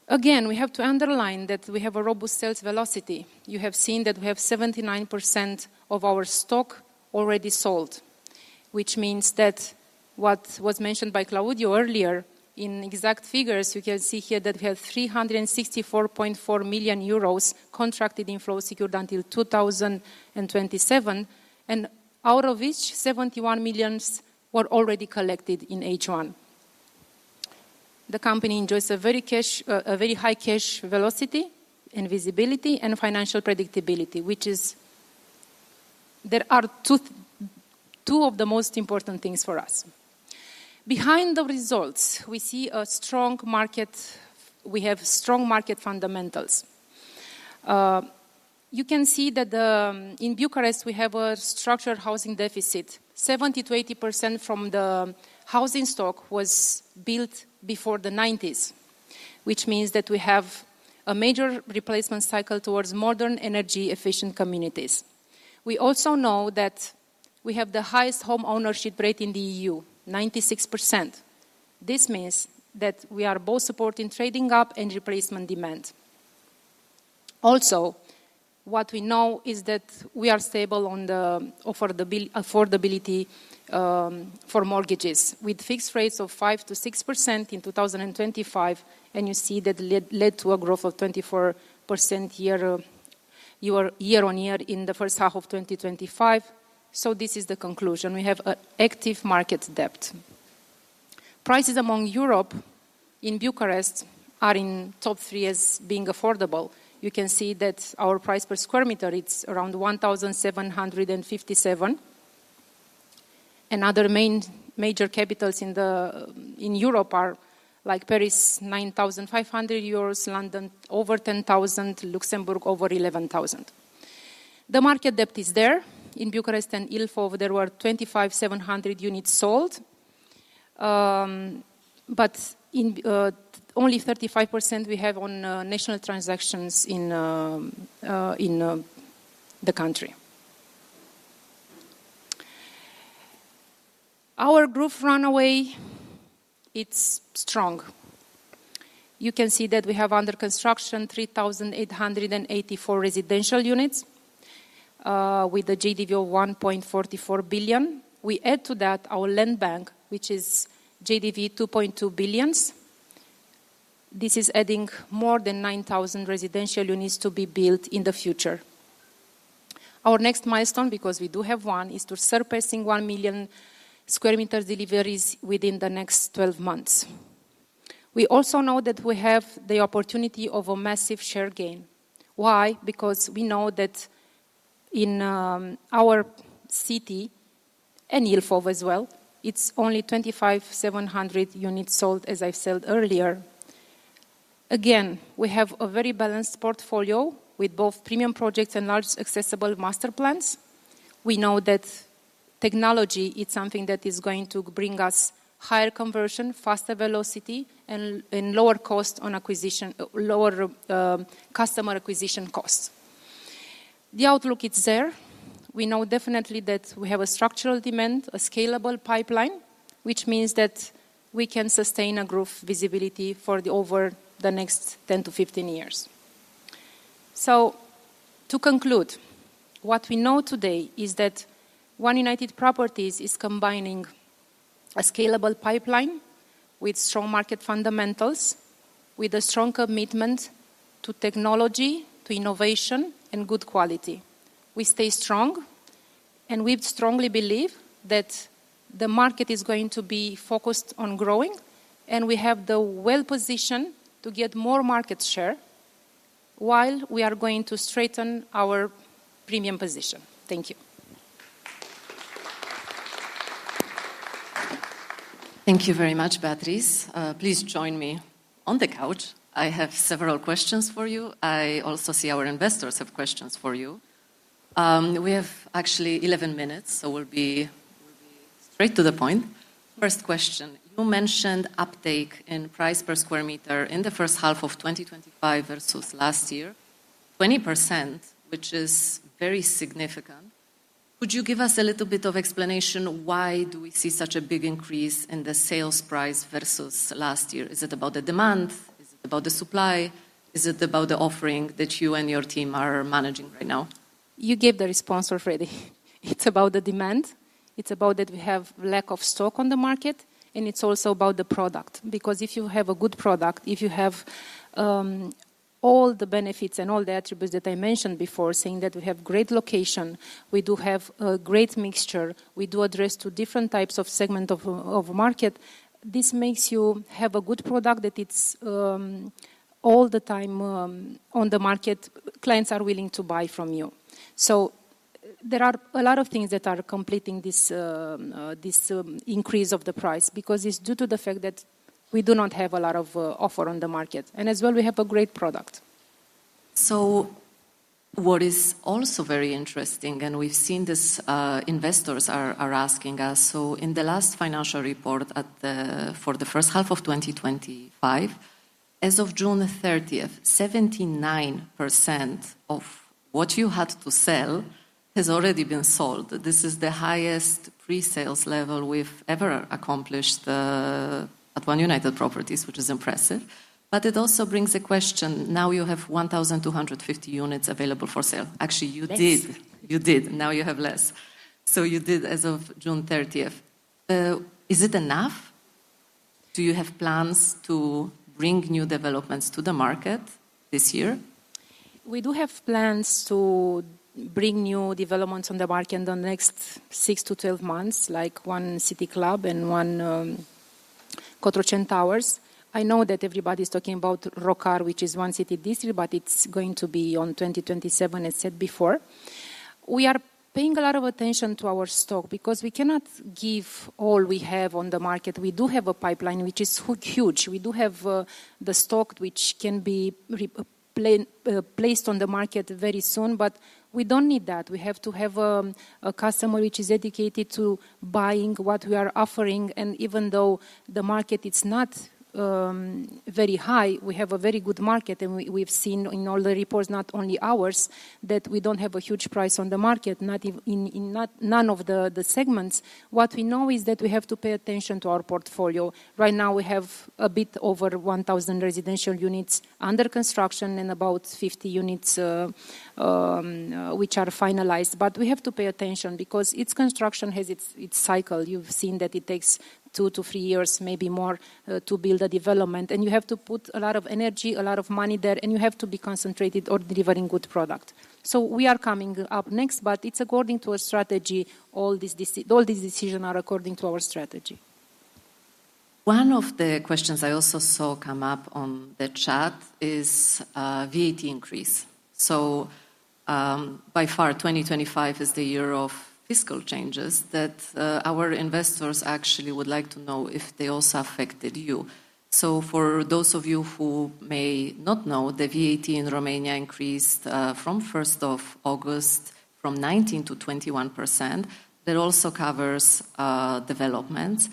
Again, we have to underline that we have a robust sales velocity. You have seen that we have 79% of our stock already sold, which means that what was mentioned by Claudio Cisullo earlier in exact figures, you can see here that we have €364.4 million contracted inflow secured until 2027, out of which €71 million were already collected in H1. The company enjoys a very high cash velocity and visibility and financial predictability, which are two of the most important things for us. Behind the results, we see a strong market. We have strong market fundamentals. You can see that in Bucharest, we have a structured housing deficit. 70%-80% of the housing stock was built before the 1990s, which means that we have a major replacement cycle towards modern energy-efficient communities. We also know that we have the highest home ownership rate in the EU, 96%. This means that we are both supporting trading up and replacement demand. Also, what we know is that we are stable on the affordability for mortgages with fixed rates of 5%-6% in 2025. That led to a growth of 24% year-on-year in the first half of 2025. This is the conclusion. We have an active market depth. Prices among Europe in Bucharest are in the top three as being affordable. You can see that our price per square meter is around €1,757. Other major capitals in Europe are like Paris, €9,500; London, over €10,000; Luxembourg, over €11,000. The market depth is there. In Bucharest and Ilfov, there were 2,500 units sold. Only 35% we have on national transactions in the country. Our growth runaway, it's strong. You can see that we have under construction 3,884 residential units with a JDV of $1.44 billion. We add to that our land bank, which is JDV $2.2 billion. This is adding more than 9,000 residential units to be built in the future. Our next milestone, because we do have one, is to surpass 1 million sqm deliveries within the next 12 months. We also know that we have the opportunity of a massive share gain. Why? Because we know that in our city and Ilfov as well, it's only 2,500 units sold, as I said earlier. We have a very balanced portfolio with both premium projects and large accessible master plans. We know that technology, it's something that is going to bring us higher conversion, faster velocity, and lower cost on acquisition, lower customer acquisition cost. The outlook, it's there. We know definitely that we have a structural demand, a scalable pipeline, which means that we can sustain a growth visibility for over the next 10-15 years. To conclude, what we know today is that One United Properties is combining a scalable pipeline with strong market fundamentals, with a strong commitment to technology, to innovation, and good quality. We stay strong. We strongly believe that the market is going to be focused on growing. We have the well-positioned to get more market share while we are going to strengthen our premium position. Thank you. Thank you very much, Patrice. Please join me on the couch. I have several questions for you. I also see our investors have questions for you. We have actually 11 minutes, so we'll be straight to the point. First question, you mentioned uptake in price per sqm in the first half of 2025 versus last year, 20%, which is very significant. Could you give us a little bit of explanation? Why do we see such a big increase in the sales price versus last year? Is it about the demand? Is it about the supply? Is it about the offering that you and your team are managing right now? You gave the response already. It's about the demand. It's about that we have a lack of stock on the market. It's also about the product, because if you have a good product, if you have all the benefits and all the attributes that I mentioned before, saying that we have a great location, we do have a great mixture, we do address two different types of segments of market, this makes you have a good product that it's all the time on the market. Clients are willing to buy from you. There are a lot of things that are completing this increase of the price because it's due to the fact that we do not have a lot of offer on the market. As well, we have a great product. What is also very interesting, and we've seen this, investors are asking us. In the last financial report for the first half of 2025, as of June 30, 79% of what you had to sell has already been sold. This is the highest pre-sales level we've ever accomplished at One United Properties, which is impressive. It also brings the question, now you have 1,250 units available for sale. Actually, you did. You did. Now you have less. You did as of June 30. Is it enough? Do you have plans to bring new developments to the market this year? We do have plans to bring new developments on the market in the next 6-12 months, like One City Club and One Cotroceni Towers. I know that everybody's talking about Rocar, which is One City District, but it's going to be in 2027, as I said before. We are paying a lot of attention to our stock because we cannot give all we have on the market. We do have a pipeline which is huge. We do have the stock which can be placed on the market very soon, but we don't need that. We have to have a customer which is dedicated to buying what we are offering. Even though the market is not very high, we have a very good market. We've seen in all the reports, not only ours, that we don't have a huge price on the market, not in any of the segments. What we know is that we have to pay attention to our portfolio. Right now, we have a bit over 1,000 residential units under construction and about 50 units which are finalized. We have to pay attention because construction has its cycle. You've seen that it takes two to three years, maybe more, to build a development. You have to put a lot of energy, a lot of money there, and you have to be concentrated on delivering good product. We are coming up next, but it's according to our strategy. All these decisions are according to our strategy. One of the questions I also saw come up on the chat is a VAT increase. By far, 2025 is the year of fiscal changes that our investors actually would like to know if they also affected you. For those of you who may not know, the VAT in Romania increased from August 1 from 19%-21%. That also covers developments.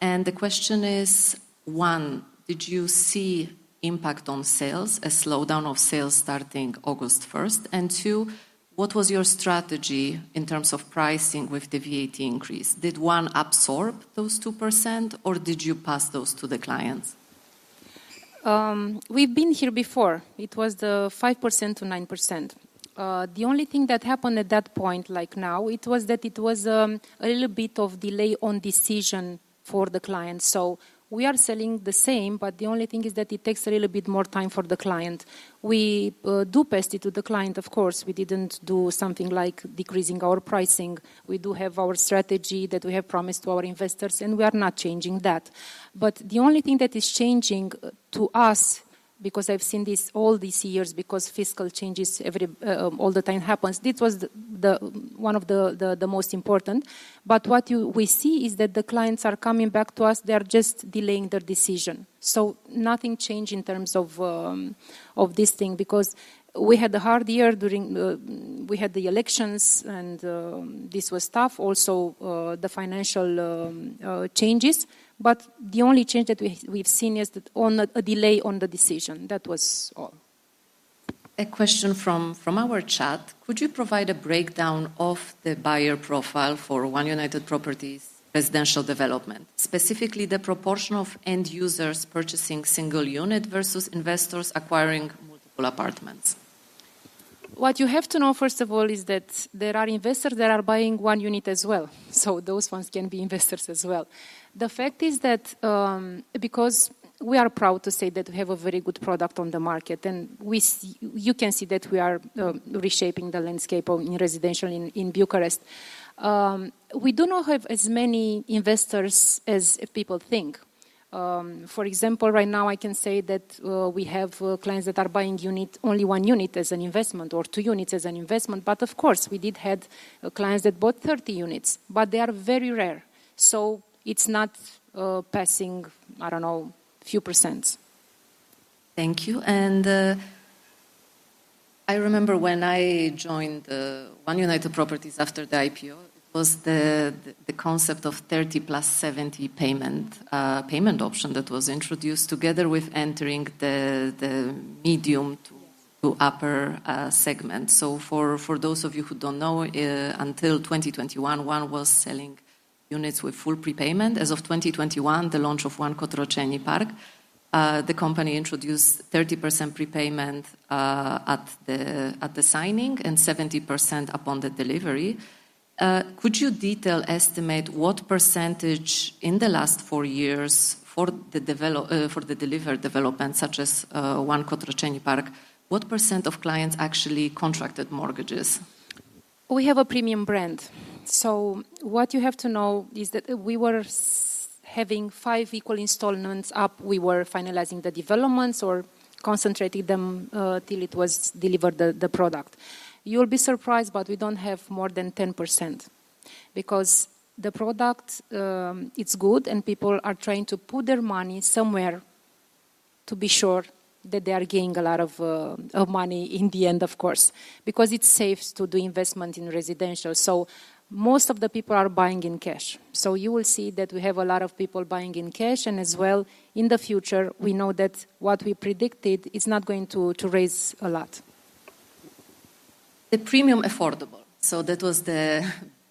The question is, one, did you see impact on sales, a slowdown of sales starting August 1? Two, what was your strategy in terms of pricing with the VAT increase? Did One absorb those 2% or did you pass those to the clients? We've been here before. It was the 5%-9%. The only thing that happened at that point, like now, was that it was a little bit of delay on decision for the client. We are selling the same, but the only thing is that it takes a little bit more time for the client. We do pay to the client, of course. We didn't do something like decreasing our pricing. We do have our strategy that we have promised to our investors, and we are not changing that. The only thing that is changing to us, because I've seen this all these years, because fiscal changes all the time happen, this was one of the most important. What we see is that the clients are coming back to us. They are just delaying their decision. Nothing changed in terms of this thing because we had a hard year during, we had the elections, and this was tough. Also, the financial changes. The only change that we've seen is a delay on the decision. That was all. A question from our chat. Could you provide a breakdown of the buyer profile for One United Properties residential development, specifically the proportion of end users purchasing single unit versus investors acquiring multiple apartments? What you have to know, first of all, is that there are investors that are buying one unit as well. Those ones can be investors as well. The fact is that because we are proud to say that we have a very good product on the market, and you can see that we are reshaping the landscape in residential in Bucharest, we do not have as many investors as people think. For example, right now, I can say that we have clients that are buying only one unit as an investment or two units as an investment. Of course, we did have clients that bought 30 units, but they are very rare. It is not passing, I don't know, a few %. Thank you. I remember when I joined One United Properties after the IPO, it was the concept of 30 plus 70 payment option that was introduced together with entering the medium to upper segment. For those of you who don't know, until 2021, One was selling units with full prepayment. As of 2021, with the launch of One Cotroceni Park, the company introduced 30% prepayment at the signing and 70% upon the delivery. Could you detail estimate what percentage in the last four years for the delivered development, such as One Cotroceni Park, what % of clients actually contracted mortgages? We have a premium brand. What you have to know is that we were having five equal installments up. We were finalizing the developments or concentrating them till it was delivered, the product. You'll be surprised, but we don't have more than 10% because the product, it's good, and people are trying to put their money somewhere to be sure that they are gaining a lot of money in the end, of course, because it's safe to do investment in residential. Most of the people are buying in cash. You will see that we have a lot of people buying in cash. As well, in the future, we know that what we predicted is not going to raise a lot. The premium affordable. That was the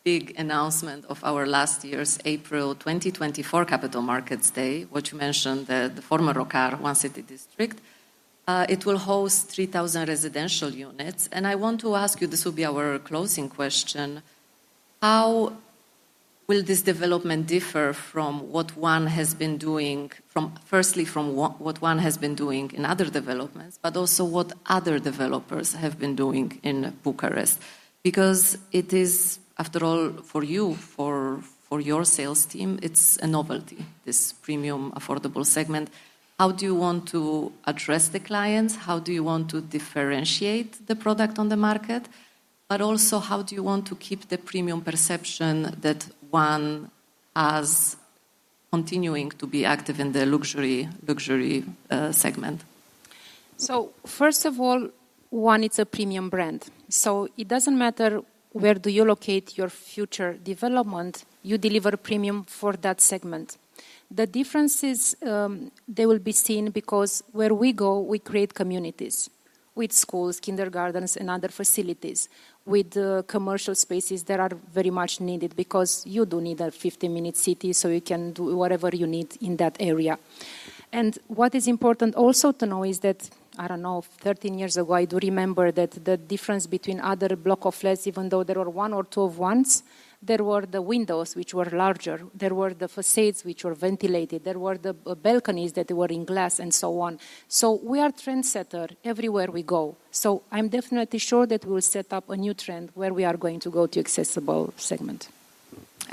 big announcement of our last year's April 2024 Capital Markets Day, which you mentioned, the former Rocar One City District. It will host 3,000 residential units. I want to ask you, this will be our closing question. How will this development differ from what One has been doing, firstly from what One has been doing in other developments, but also what other developers have been doing in Bucharest? It is, after all, for you, for your sales team, it's a novelty, this premium affordable segment. How do you want to address the clients? How do you want to differentiate the product on the market? How do you want to keep the premium perception that One is continuing to be active in the luxury segment? First of all, one, it's a premium brand. It doesn't matter where you locate your future development, you deliver premium for that segment. The differences will be seen because where we go, we create communities with schools, kindergartens, and other facilities. With commercial spaces, they are very much needed because you do need a 15-minute city, so you can do whatever you need in that area. What is important also to know is that, 13 years ago, I do remember that the difference between other blocks of flats, even though there were one or two of ones, there were the windows which were larger. There were the facades which were ventilated. There were the balconies that were in glass and so on. We are trendsetters everywhere we go. I'm definitely sure that we will set up a new trend where we are going to go to the accessible segment.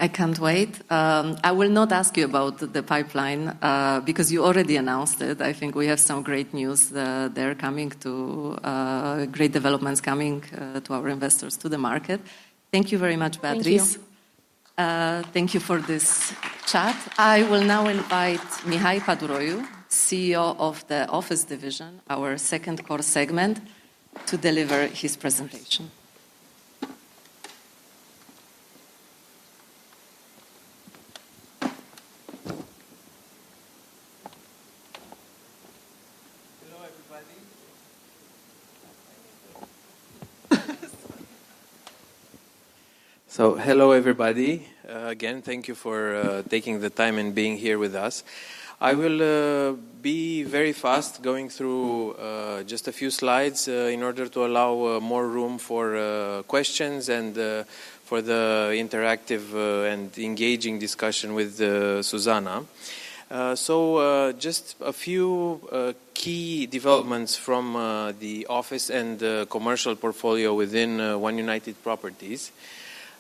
I can't wait. I will not ask you about the pipeline because you already announced it. I think we have some great news there, great developments coming to our investors, to the market. Thank you very much, Beatrice. Thank you. Thank you for this chat. I will now invite Mihai Păduroiu, CEO of the Office Division, our second core segment, to deliver his presentation. Hello everybody. Thank you for taking the time and being here with us. I will be very fast going through just a few slides in order to allow more room for questions and for the interactive and engaging discussion with Zuzanna. Just a few key developments from the office and commercial portfolio within One United Properties.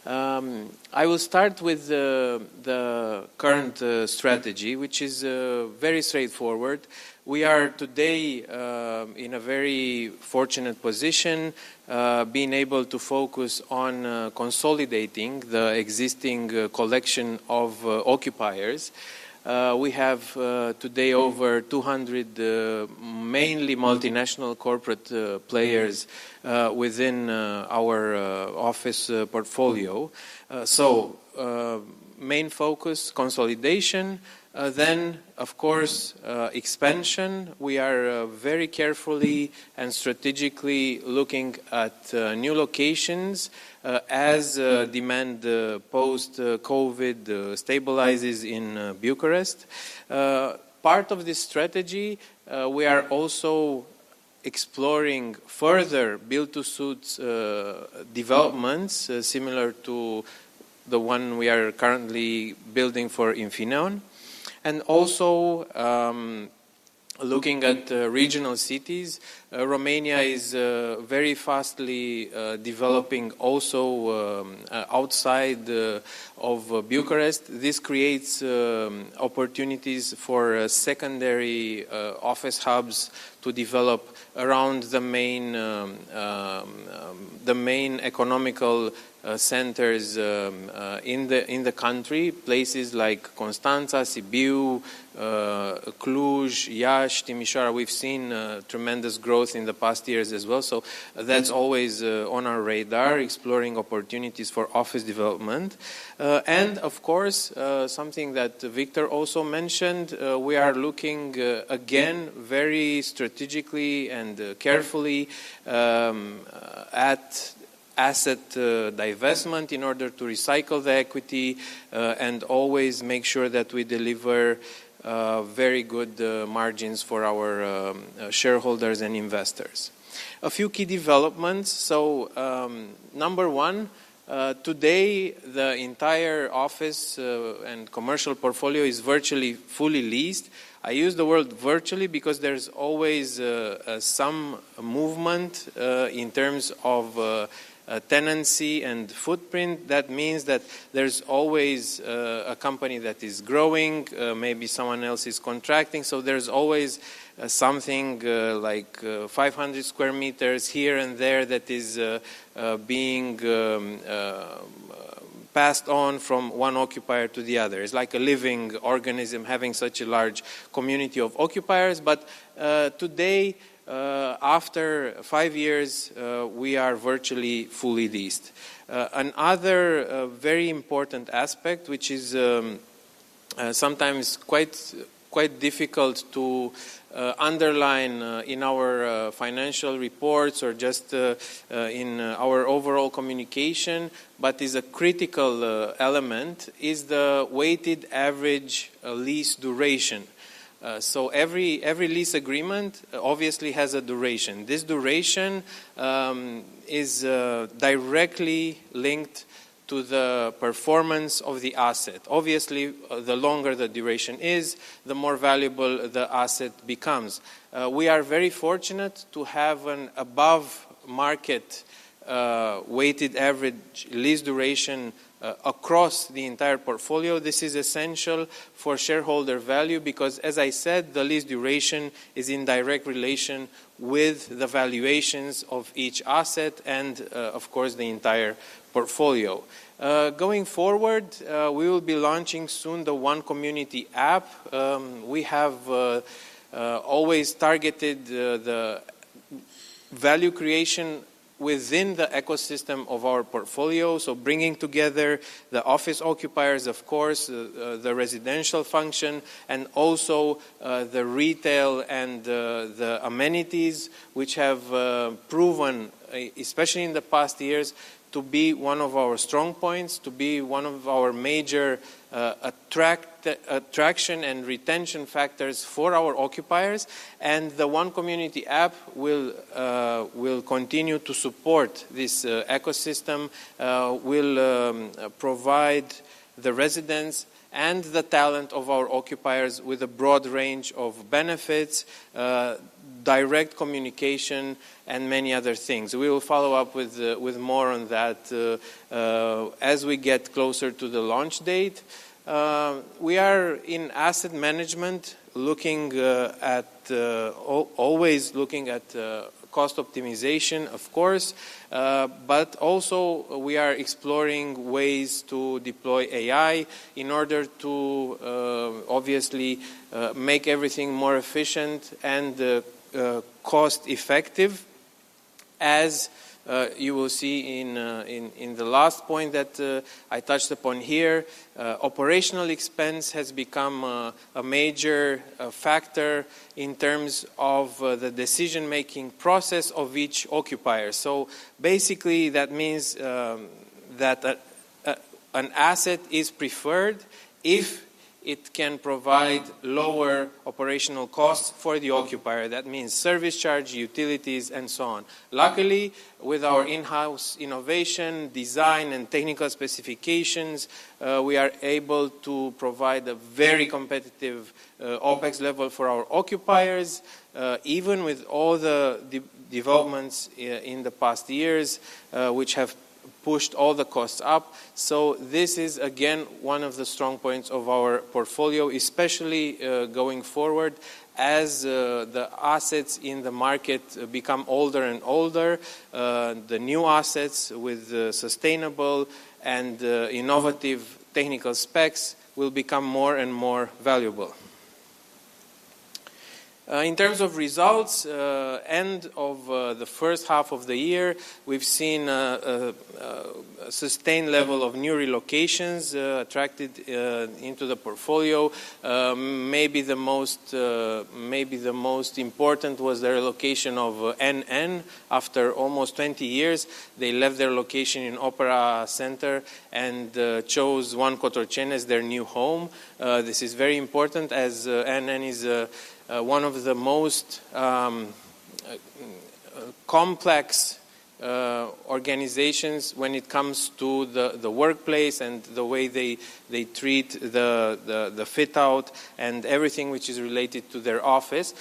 I will start with the current strategy, which is very straightforward. We are today in a very fortunate position, being able to focus on consolidating the existing collection of occupiers. We have today over 200 mainly multinational corporate players within our office portfolio. Main focus, consolidation, then of course, expansion. We are very carefully and strategically looking at new locations as demand post-COVID stabilizes in Bucharest. Part of this strategy, we are also exploring further build-to-suit developments similar to the one we are currently building for Infineon. Also looking at regional cities, Romania is very fast developing also outside of Bucharest. This creates opportunities for secondary office hubs to develop around the main economical centers in the country, places like Constanța, Sibiu, Cluj, Iași. You know, we've seen tremendous growth in the past years as well. That's always on our radar, exploring opportunities for office development. Of course, something that Victor also mentioned, we are looking again very strategically and carefully at asset divestment in order to recycle the equity and always make sure that we deliver very good margins for our shareholders and investors. A few key developments. Number one, today the entire office and commercial portfolio is virtually fully leased. I use the word virtually because there's always some movement in terms of tenancy and footprint. That means that there's always a company that is growing, maybe someone else is contracting. There's always something like 500 sqm here and there that is being passed on from one occupier to the other. It's like a living organism having such a large community of occupiers. Today, after five years, we are virtually fully leased. Another very important aspect, which is sometimes quite difficult to underline in our financial reports or just in our overall communication, but is a critical element, is the weighted average lease duration. Every lease agreement obviously has a duration. This duration is directly linked to the performance of the asset. Obviously, the longer the duration is, the more valuable the asset becomes. We are very fortunate to have an above-market weighted average lease duration across the entire portfolio. This is essential for shareholder value because, as I said, the lease duration is in direct relation with the valuations of each asset and, of course, the entire portfolio. Going forward, we will be launching soon the One Community app. We have always targeted the value creation within the ecosystem of our portfolio, bringing together the office occupiers, the residential function, and also the retail and the amenities, which have proven, especially in the past years, to be one of our strong points, to be one of our major attraction and retention factors for our occupiers. The One Community app will continue to support this ecosystem, will provide the residents and the talent of our occupiers with a broad range of benefits, direct communication, and many other things. We will follow up with more on that as we get closer to the launch date. We are in asset management, always looking at cost optimization, of course, but also we are exploring ways to deploy AI in order to obviously make everything more efficient and cost-effective. As you will see in the last point that I touched upon here, operational expense has become a major factor in terms of the decision-making process of each occupier. Basically, that means that an asset is preferred if it can provide lower operational costs for the occupier. That means service charge, utilities, and so on. Luckily, with our in-house innovation, design, and technical specifications, we are able to provide a very competitive OpEx level for our occupiers, even with all the developments in the past years, which have pushed all the costs up. This is, again, one of the strong points of our portfolio, especially going forward as the assets in the market become older and older. The new assets with sustainable and innovative technical specs will become more and more valuable. In terms of results, at the end of the first half of the year, we've seen a sustained level of new relocations attracted into the portfolio. Maybe the most important was the relocation of NN. After almost 20 years, they left their location in Opera Center and chose One Cotroceni Park as their new home. This is very important as NN is one of the most complex organizations when it comes to the workplace and the way they treat the fit-out and everything which is related to their office.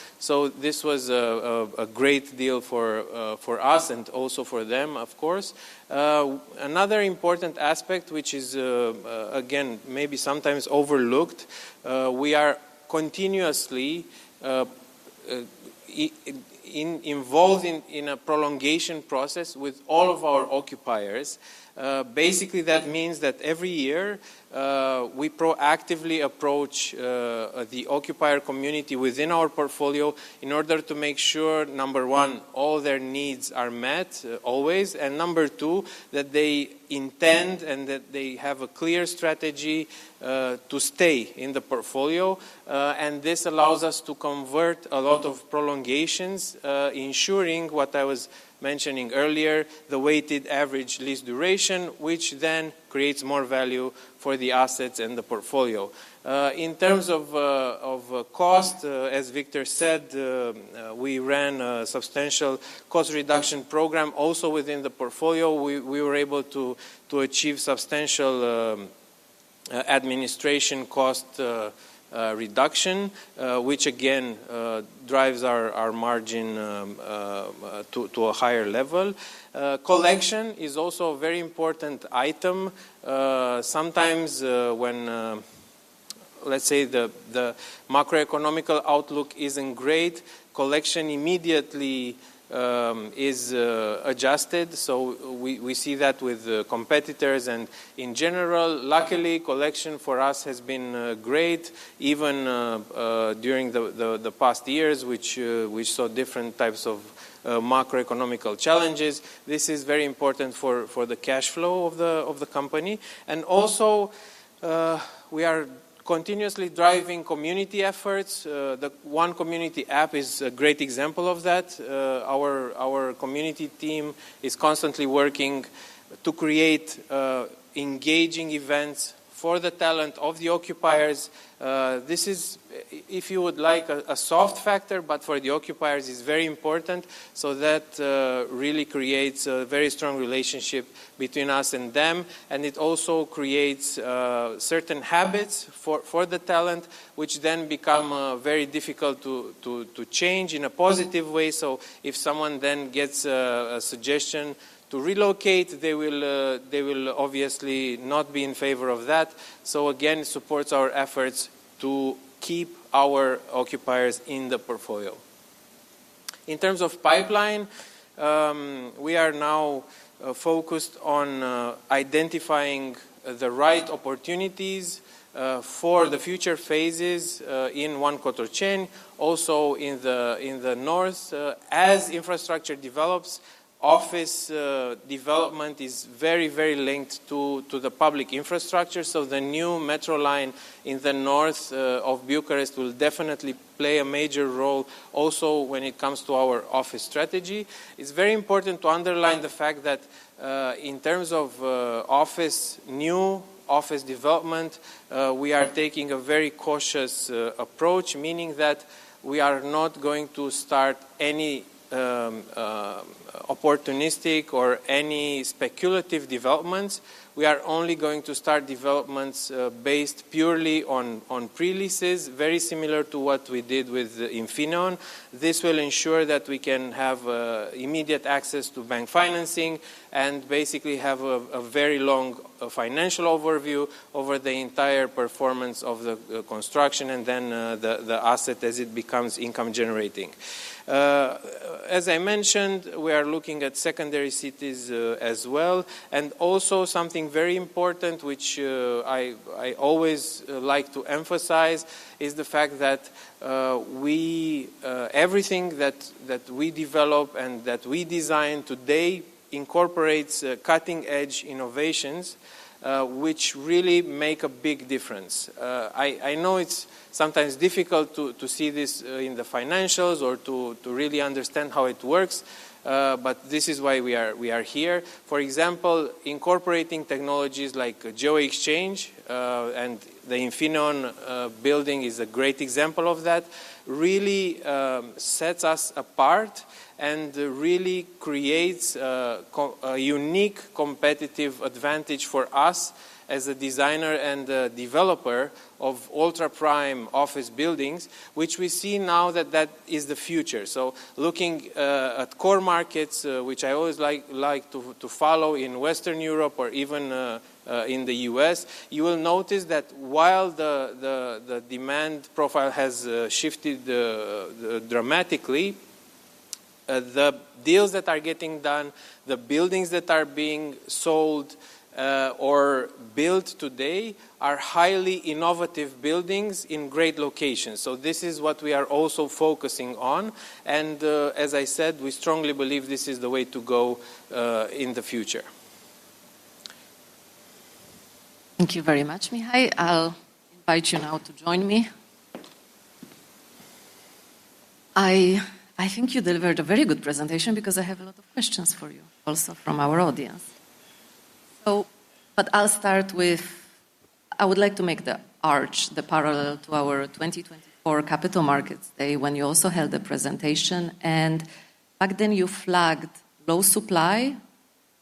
This was a great deal for us and also for them, of course. Another important aspect, which is, again, maybe sometimes overlooked, we are continuously involved in a prolongation process with all of our occupiers. Basically, that means that every year we proactively approach the occupier community within our portfolio in order to make sure, number one, all their needs are met always, and number two, that they intend and that they have a clear strategy to stay in the portfolio. This allows us to convert a lot of prolongations, ensuring what I was mentioning earlier, the weighted average lease duration, which then creates more value for the assets and the portfolio. In terms of cost, as Victor Căpitanu said, we ran a substantial cost reduction program also within the portfolio. We were able to achieve substantial administration cost reduction, which again drives our margin to a higher level. Collection is also a very important item. Sometimes when, let's say, the macroeconomic outlook isn't great, collection immediately is adjusted. We see that with competitors. In general, luckily, collection for us has been great even during the past years, which we saw different types of macroeconomic challenges. This is very important for the cash flow of the company. We are continuously driving community efforts. The One Community app is a great example of that. Our community team is constantly working to create engaging events for the talent of the occupiers. This is, if you would like, a soft factor, but for the occupiers, it's very important. That really creates a very strong relationship between us and them. It also creates certain habits for the talent, which then become very difficult to change in a positive way. If someone then gets a suggestion to relocate, they will obviously not be in favor of that. Again, it supports our efforts to keep our occupiers in the portfolio. In terms of pipeline, we are now focused on identifying the right opportunities for the future phases in One Cotroceni Park. Also, in the north, as infrastructure develops, office development is very, very linked to the public infrastructure. The new metro line in the north of Bucharest will definitely play a major role also when it comes to our office strategy. It's very important to underline the fact that in terms of new office development, we are taking a very cautious approach, meaning that we are not going to start any opportunistic or any speculative developments. We are only going to start developments based purely on pre-leases, very similar to what we did with Infineon. This will ensure that we can have immediate access to bank financing and basically have a very long financial overview over the entire performance of the construction and then the asset as it becomes income generating. As I mentioned, we are looking at secondary cities as well. Also, something very important, which I always like to emphasize, is the fact that everything that we develop and that we design today incorporates cutting-edge innovations, which really make a big difference. I know it's sometimes difficult to see this in the financials or to really understand how it works, but this is why we are here. For example, incorporating technologies like GeoExchange and the Infineon building is a great example of that. It really sets us apart and really creates a unique competitive advantage for us as a designer and developer of ultra-prime office buildings, which we see now that is the future. Looking at core markets, which I always like to follow in Western Europe or even in the U.S., you will notice that while the demand profile has shifted dramatically, the deals that are getting done, the buildings that are being sold or built today are highly innovative buildings in great locations. This is what we are also focusing on. As I said, we strongly believe this is the way to go in the future. Thank you very much, Mihai. I'll invite you now to join me. I think you delivered a very good presentation because I have a lot of questions for you also from our audience. I'll start with, I would like to make the arch, the parallel to our 2024 Capital Markets Day when you also held a presentation. Back then, you flagged low supply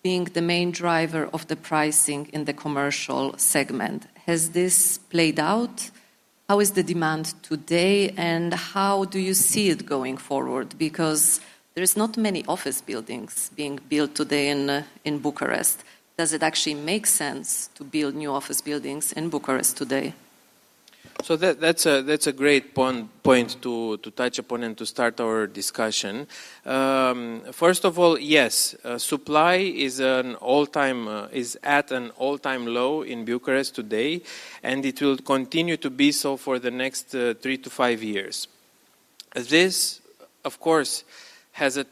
being the main driver of the pricing in the commercial segment. Has this played out? How is the demand today and how do you see it going forward? There are not many office buildings being built today in Bucharest. Does it actually make sense to build new office buildings in Bucharest today? That's a great point to touch upon and to start our discussion. First of all, yes, supply is at an all-time low in Bucharest today, and it will continue to be so for the next three to five years. This, of course, has a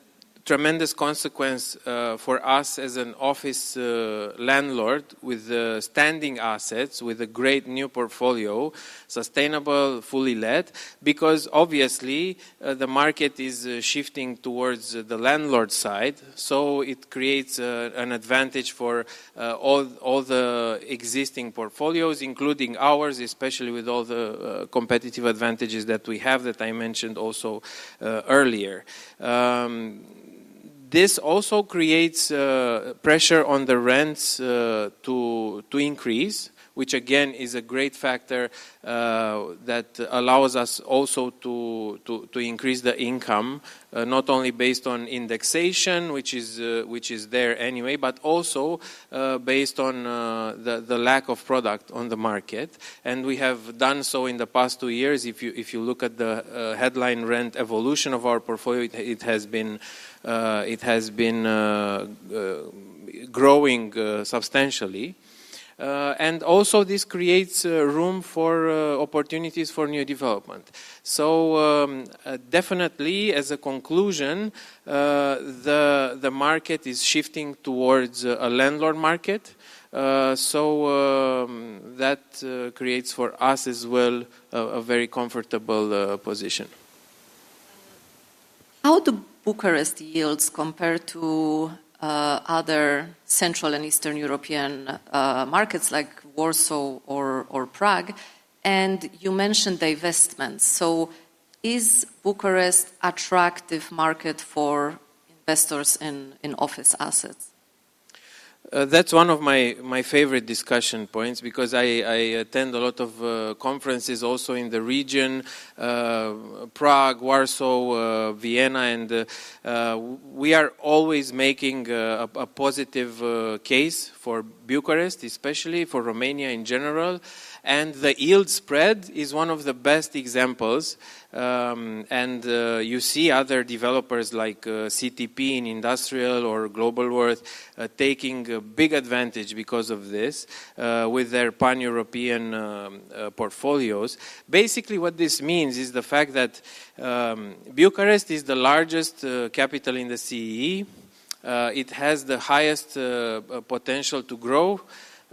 tremendous consequence for us as an office landlord with standing assets, with a great new portfolio, sustainable, fully let, because obviously the market is shifting towards the landlord side. It creates an advantage for all the existing portfolios, including ours, especially with all the competitive advantages that we have that I mentioned also earlier. This also creates pressure on the rents to increase, which again is a great factor that allows us also to increase the income, not only based on indexation, which is there anyway, but also based on the lack of product on the market. We have done so in the past two years. If you look at the headline rent evolution of our portfolio, it has been growing substantially. This creates room for opportunities for new development. Definitely, as a conclusion, the market is shifting towards a landlord market. That creates for us as well a very comfortable position. How do Bucharest yields compare to other Central and Eastern European markets like Warsaw or Prague? You mentioned divestments. Is Bucharest an attractive market for investors in office assets? That's one of my favorite discussion points because I attend a lot of conferences also in the region, Prague, Warsaw, Vienna. We are always making a positive case for Bucharest, especially for Romania in general. The yield spread is one of the best examples. You see other developers like CTP in industrial or Globalworth taking a big advantage because of this with their pan-European portfolios. Basically, what this means is the fact that Bucharest is the largest capital in the CEE. It has the highest potential to grow.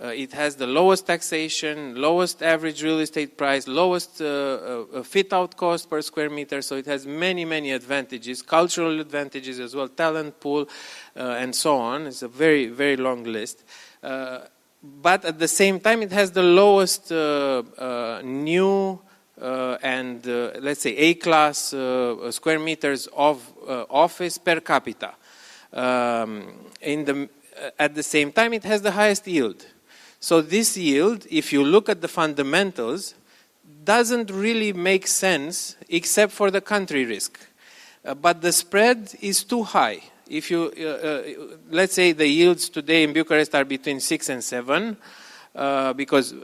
It has the lowest taxation, lowest average real estate price, lowest fit-out cost per sqm. It has many, many advantages, cultural advantages as well, talent pool, and so on. It's a very, very long list. At the same time, it has the lowest new and let's say A-class sqm of office per capita. At the same time, it has the highest yield. This yield, if you look at the fundamentals, doesn't really make sense except for the country risk. The spread is too high. If you, let's say the yields today in Bucharest are between 6% and 7%, because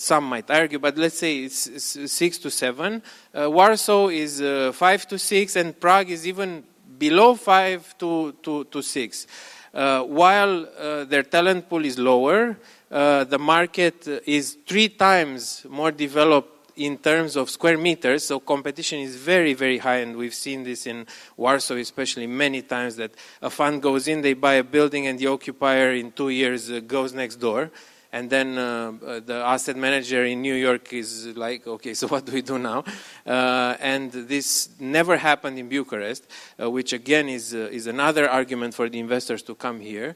some might argue, but let's say it's 6%-7%. Warsaw is 5%-6%, and Prague is even below 5%-6%. While their talent pool is lower, the market is three times more developed in terms of sqm. Competition is very, very high. We've seen this in Warsaw, especially many times that a fund goes in, they buy a building, and the occupier in two years goes next door. The asset manager in New York is like, "Okay, so what do we do now?" This never happened in Bucharest, which again is another argument for the investors to come here.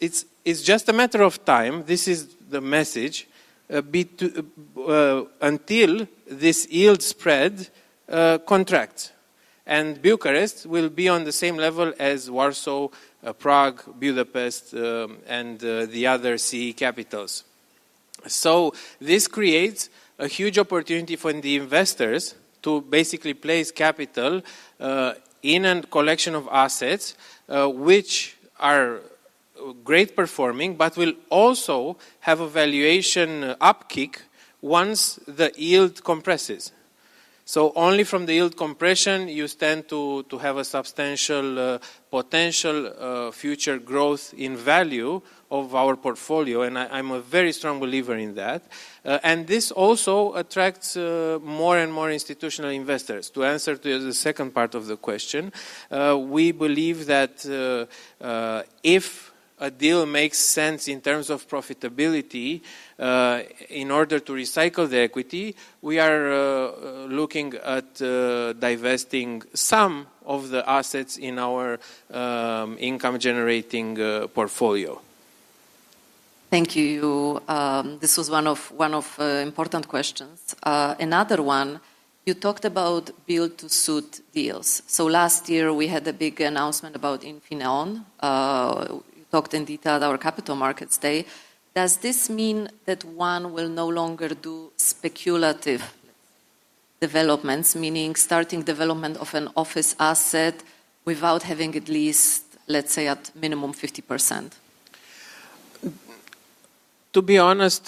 It is just a matter of time. This is the message until this yield spread contracts. Bucharest will be on the same level as Warsaw, Prague, Budapest, and the other CEE capitals. This creates a huge opportunity for the investors to basically place capital in a collection of assets which are great performing, but will also have a valuation upkick once the yield compresses. Only from the yield compression you tend to have a substantial potential future growth in value of our portfolio. I'm a very strong believer in that. This also attracts more and more institutional investors. To answer the second part of the question, we believe that if a deal makes sense in terms of profitability in order to recycle the equity, we are looking at divesting some of the assets in our income-generating portfolio. Thank you. This was one of the important questions. Another one, you talked about build-to-suit deals. Last year we had a big announcement about Infineon. You talked in detail about our Capital Markets Day. Does this mean that One United Properties will no longer do speculative developments, meaning starting development of an office asset without having at least, let's say, at minimum 50%? To be honest,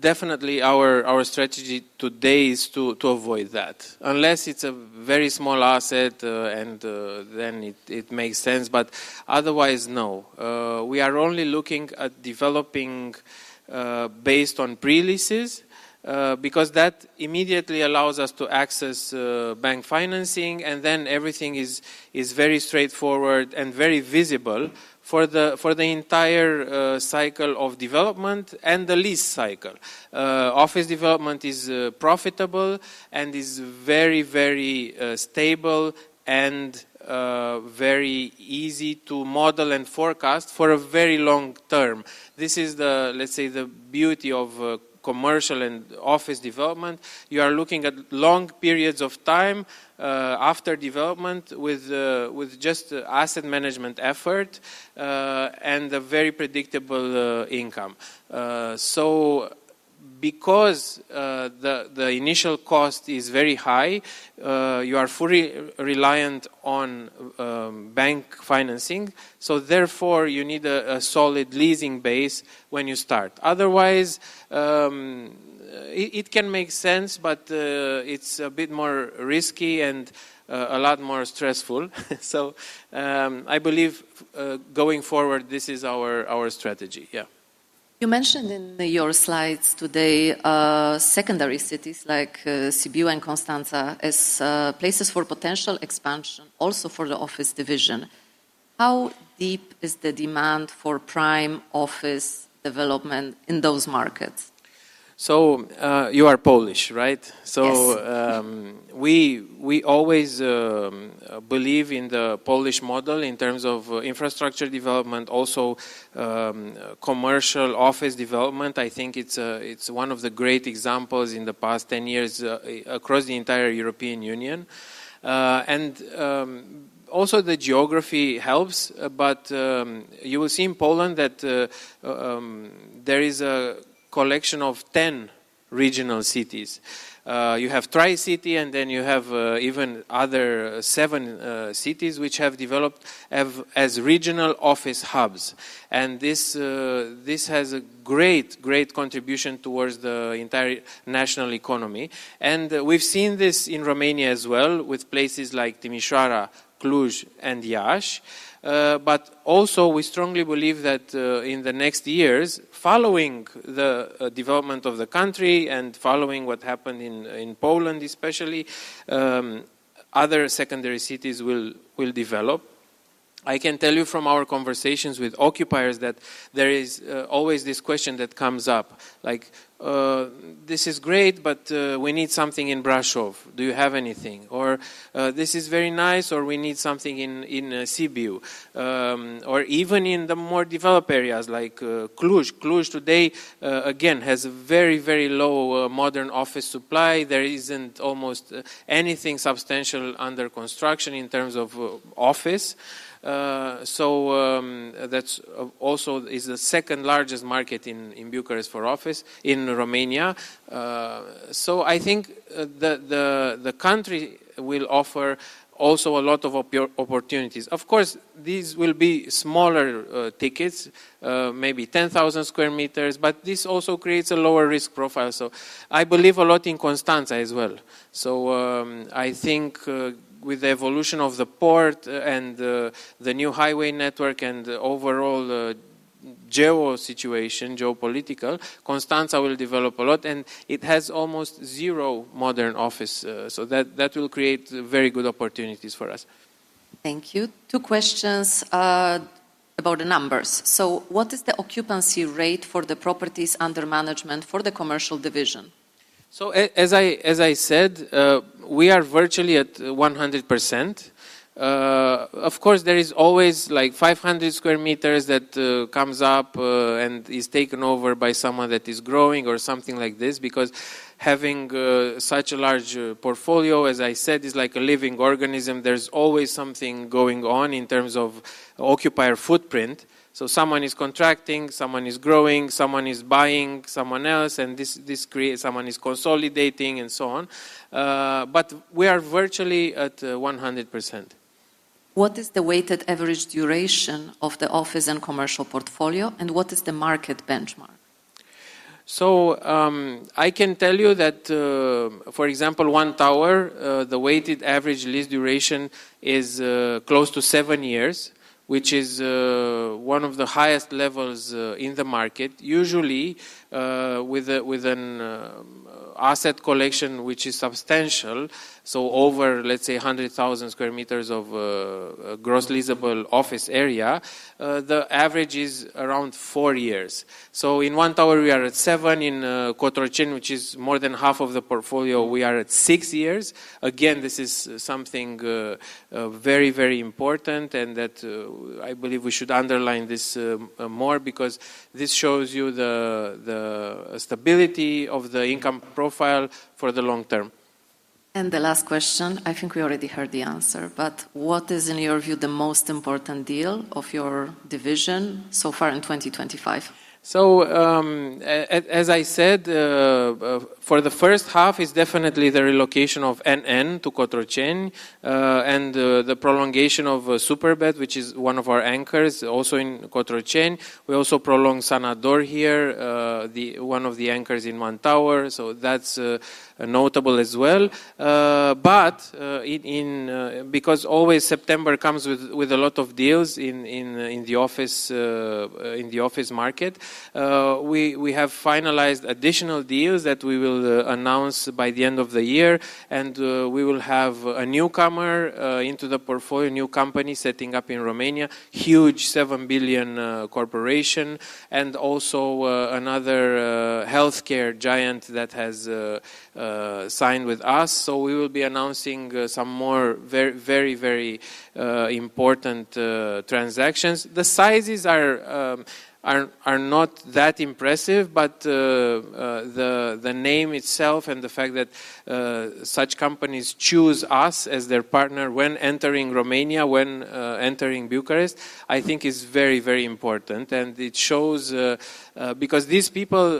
definitely our strategy today is to avoid that. Unless it's a very small asset, then it makes sense. Otherwise, no. We are only looking at developing based on pre-leases because that immediately allows us to access bank financing. Everything is very straightforward and very visible for the entire cycle of development and the lease cycle. Office development is profitable and is very, very stable and very easy to model and forecast for a very long term. This is the, let's say, the beauty of commercial and office development. You are looking at long periods of time after development with just asset management effort and a very predictable income. Because the initial cost is very high, you are fully reliant on bank financing. Therefore, you need a solid leasing base when you start. Otherwise, it can make sense, but it's a bit more risky and a lot more stressful. I believe going forward, this is our strategy. Yeah. You mentioned in your slides today secondary cities like Cebu and Constanța as places for potential expansion, also for the office division. How deep is the demand for prime office development in those markets? You are Polish, right? We always believe in the Polish model in terms of infrastructure development, also commercial office development. I think it's one of the great examples in the past 10 years across the entire European Union. The geography helps. You will see in Poland that there is a collection of 10 regional cities. You have Tri-City, and then you have even another seven cities which have developed as regional office hubs. This has a great, great contribution towards the entire national economy. We've seen this in Romania as well with places like Timișoara, Cluj, and Iași. We strongly believe that in the next years, following the development of the country and following what happened in Poland especially, other secondary cities will develop. I can tell you from our conversations with occupiers that there is always this question that comes up, like, "This is great, but we need something in Brașov. Do you have anything?" or, "This is very nice," or, "We need something in Sibiu," or even in the more developed areas like Cluj. Cluj today, again, has a very, very low modern office supply. There isn't almost anything substantial under construction in terms of office. That also is the second largest market after Bucharest for office in Romania. I think the country will offer also a lot of opportunities. Of course, these will be smaller tickets, maybe 10,000 sqm, but this also creates a lower risk profile. I believe a lot in Constanța as well. I think with the evolution of the port and the new highway network and the overall geopolitical situation, Constanța will develop a lot. It has almost zero modern office. That will create very good opportunities for us. Thank you. Two questions about the numbers. What is the occupancy rate for the properties under management for the commercial division? As I said, we are virtually at 100%. Of course, there is always like 500 sqm that comes up and is taken over by someone that is growing or something like this. Having such a large portfolio, as I said, is like a living organism. There's always something going on in terms of occupier footprint. Someone is contracting, someone is growing, someone is buying someone else, and this creates someone is consolidating and so on. We are virtually at 100%. What is the weighted average lease duration of the office and commercial portfolio? What is the market benchmark? I can tell you that, for example, One Tower, the weighted average lease duration is close to seven years, which is one of the highest levels in the market. Usually, with an asset collection which is substantial, so over, let's say, 100,000 sqm of gross leasable office area, the average is around four years. In One Tower, we are at seven. In One Cotroceni Park, which is more than half of the portfolio, we are at six years. This is something very, very important. I believe we should underline this more because this shows you the stability of the income profile for the long term. The last question, I think we already heard the answer, but what is, in your view, the most important deal of your division so far in 2025? As I said, for the first half, it's definitely the relocation of NN to Cotroceni and the prolongation of Superbet, which is one of our anchors also in Cotroceni. We also prolong Sanador here, one of the anchors in One Tower. That's notable as well. September comes with a lot of deals in the office market. We have finalized additional deals that we will announce by the end of the year. We will have a newcomer into the portfolio, a new company setting up in Romania, a huge $7 billion corporation, and also another healthcare giant that has signed with us. We will be announcing some more very, very, very important transactions. The sizes are not that impressive, but the name itself and the fact that such companies choose us as their partner when entering Romania, when entering Bucharest, I think is very, very important. It shows because these people,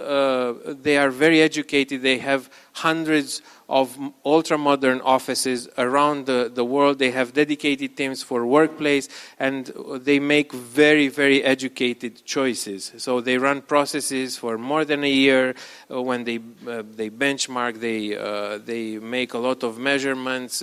they are very educated. They have hundreds of ultra-modern offices around the world. They have dedicated teams for workplace, and they make very, very educated choices. They run processes for more than a year. When they benchmark, they make a lot of measurements,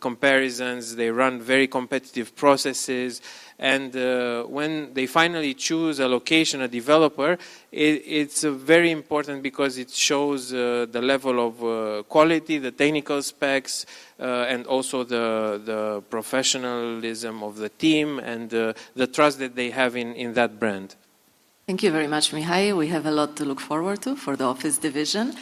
comparisons. They run very competitive processes. When they finally choose a location, a developer, it's very important because it shows the level of quality, the technical specs, and also the professionalism of the team and the trust that they have in that brand. Thank you very much, Mihai. We have a lot to look forward to for the Office Division.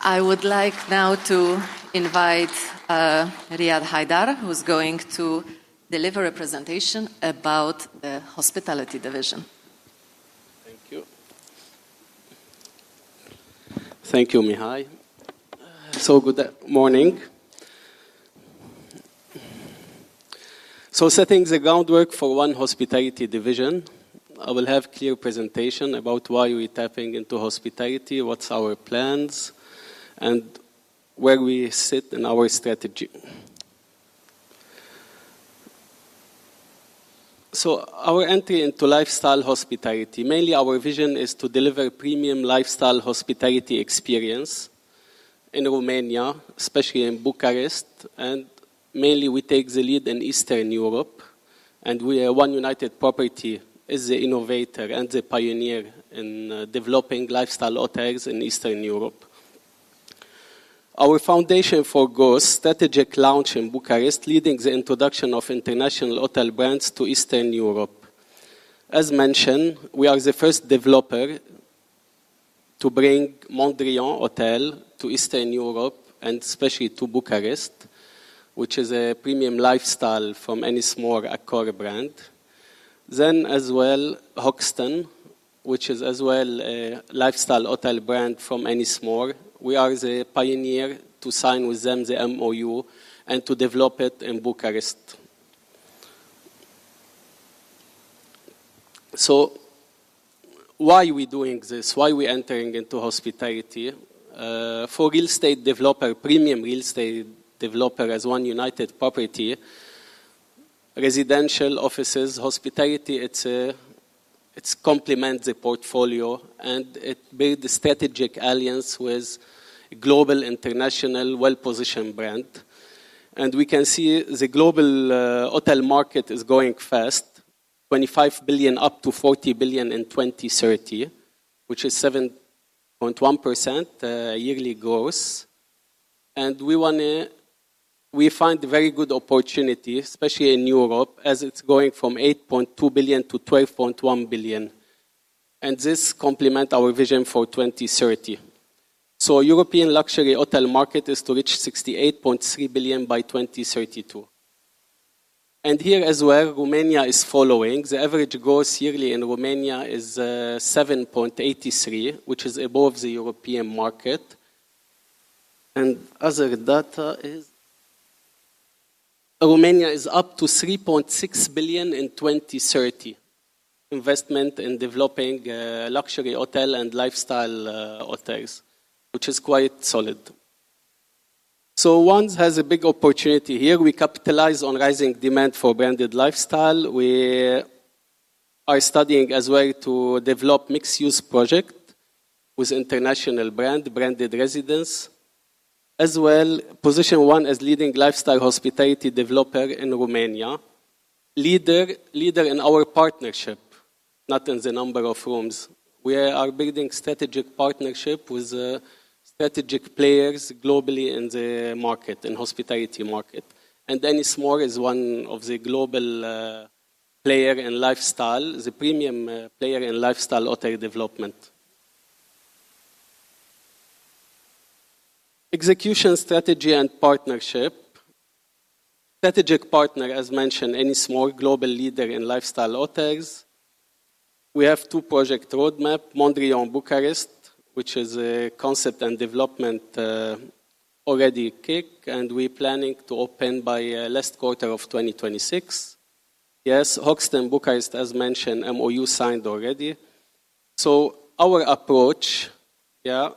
I would like now to invite Riad Abi Haidar, who's going to deliver a presentation about the Hospitality Division. Thank you. Thank you, Mihai. Good morning. Setting the groundwork for One Hospitality Division, I will have a clear presentation about why we're tapping into hospitality, what's our plans, and where we sit in our strategy. Our entry into lifestyle hospitality, mainly our vision is to deliver premium lifestyle hospitality experience in Romania, especially in Bucharest. Mainly, we take the lead in Eastern Europe. We are One United Properties as the innovator and the pioneer in developing lifestyle hotels in Eastern Europe. Our foundation for goals, strategic launch in Bucharest, leading the introduction of international hotel brands to Eastern Europe. As mentioned, we are the first developer to bring Mondrian Hotel to Eastern Europe and especially to Bucharest, which is a premium lifestyle from Ennismore Accor brand. As well, Hoxton, which is also a lifestyle hotel brand from Ennismore. We are the pioneer to sign with them the MOU and to develop it in Bucharest. Why are we doing this? Why are we entering into hospitality? For real estate developers, premium real estate developers as One United Properties, residential offices, hospitality, it complements the portfolio and it builds a strategic alliance with a global, international, well-positioned brand. We can see the global hotel market is going fast, $25 billion-$40 billion in 2030, which is 7.1% yearly growth. We want to find very good opportunities, especially in Europe, as it's going from $8.2 billion-$12.1 billion. This complements our vision for 2030. The European luxury hotel market is to reach $68.3 billion by 2032. Here as well, Romania is following. The average growth yearly in Romania is 7.83%, which is above the European market. Other data is Romania is up to $3.6 billion in 2030 investment in developing luxury hotel and lifestyle hotels, which is quite solid. One has a big opportunity here. We capitalize on rising demand for branded lifestyle. We are studying as well to develop a mixed-use project with international brand, branded residence. As well, position One as leading lifestyle hospitality developer in Romania. Leader in our partnership, not in the number of rooms. We are building strategic partnership with strategic players globally in the market, in the hospitality market. Ennismore is one of the global players in lifestyle, the premium player in lifestyle hotel development. Execution strategy and partnership. Strategic partner, as mentioned, Ennismore, global leader in lifestyle hotels. We have two project roadmaps: Mondrian Bucharest, which is a concept and development already kicked, and we're planning to open by the last quarter of 2026. Yes, Hoxton Bucharest, as mentioned, MOU signed already. Our approach, yeah,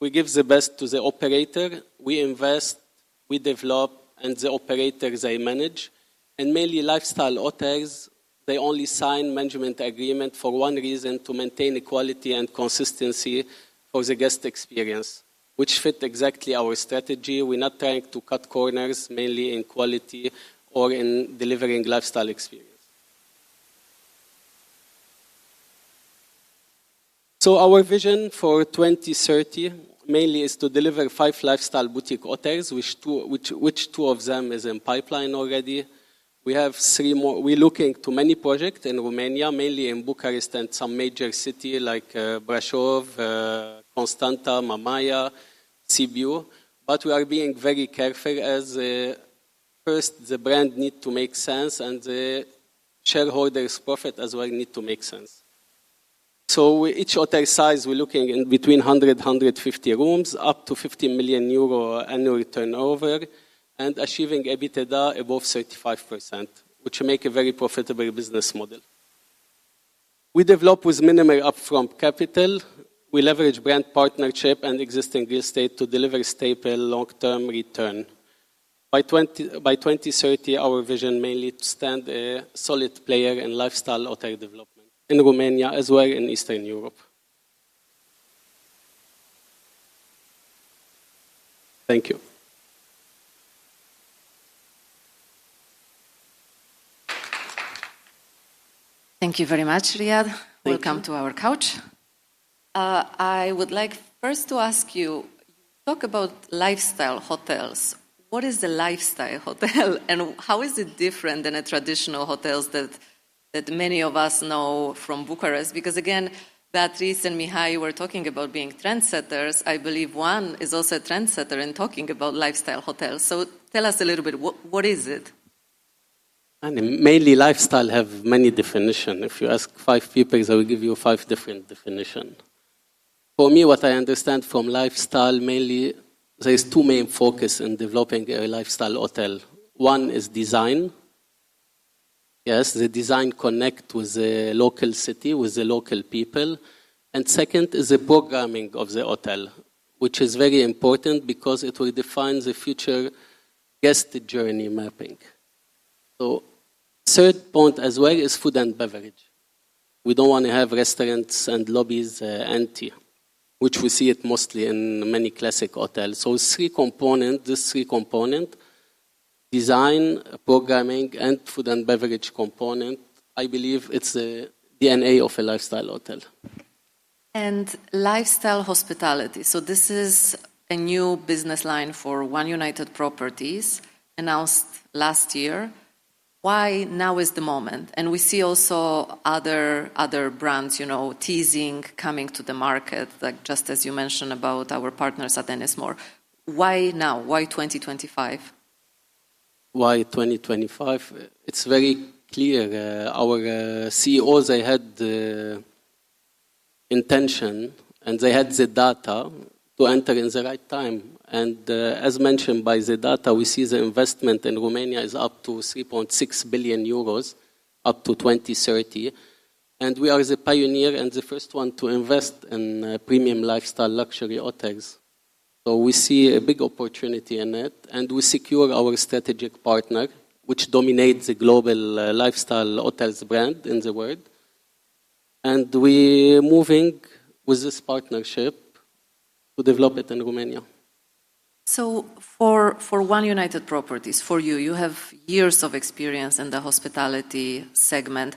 we give the best to the operator. We invest, we develop, and the operator, they manage. Mainly lifestyle hotels, they only sign management agreements for one reason: to maintain the quality and consistency for the guest experience, which fits exactly our strategy. We're not trying to cut corners, mainly in quality or in delivering lifestyle experience. Our vision for 2030 mainly is to deliver five lifestyle boutique hotels, which two of them are in pipeline already. We have three more. We're looking into many projects in Romania, mainly in Bucharest and some major cities like Brașov, Constanța, Mamaia, Sibiu. We are being very careful as first, the brand needs to make sense and the shareholders' profit as well needs to make sense. With each hotel size, we're looking in between 100, 150 rooms, up to €15 million annual turnover, and achieving EBITDA above 35%, which makes a very profitable business model. We develop with minimal upfront capital. We leverage brand partnership and existing real estate to deliver stable long-term return. By 2030, our vision is mainly to stand a solid player in lifestyle hotel development in Romania as well as in Eastern Europe. Thank you. Thank you very much, Riyad. Welcome to our couch. I would like first to ask you, talk about lifestyle hotels. What is the lifestyle hotel and how is it different than the traditional hotels that many of us know from Bucharest? Because again, Beatrice and Mihai were talking about being trendsetters. I believe One is also a trendsetter in talking about lifestyle hotels. Tell us a little bit, what is it? Mainly, lifestyle has many definitions. If you ask five people, they will give you five different definitions. For me, what I understand from lifestyle, mainly, there are two main focuses in developing a lifestyle hotel. One is design. Yes, the design connects with the local city, with the local people. The second is the programming of the hotel, which is very important because it will define the future guest journey mapping. The third point as well is food and beverage. We don't want to have restaurants and lobbies empty, which we see mostly in many classic hotels. These three components, design, programming, and food and beverage components, I believe it's the DNA of a lifestyle hotel. Lifestyle hospitality is a new business line for One United Properties announced last year. Why now is the moment? We see also other brands teasing coming to the market, just as you mentioned about our partners at Ennismore. Why now? Why 2025? Why 2025? It's very clear. Our CEOs, they had the intention and they had the data to enter at the right time. As mentioned by the data, we see the investment in Romania is up to €3.6 billion up to 2030. We are the pioneer and the first one to invest in premium lifestyle luxury hotels. We see a big opportunity in it. We secure our strategic partner, which dominates the global lifestyle hotels brand in the world, and we're moving with this partnership to develop it in Romania. For One United Properties, you have years of experience in the hospitality segment.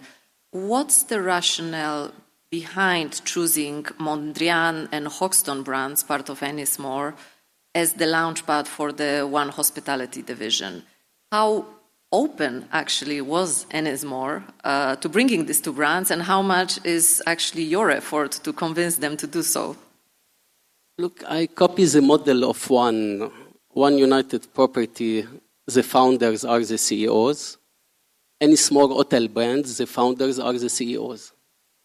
What's the rationale behind choosing Mondrian and Hoxton brands, part of Ennismore, as the launchpad for the One Hospitality division? How open actually was Ennismore to bringing these two brands? How much is actually your effort to convince them to do so? Look, I copy the model of One United Properties. The founders are the CEOs. Ennismore hotel brands, the founders are the CEOs.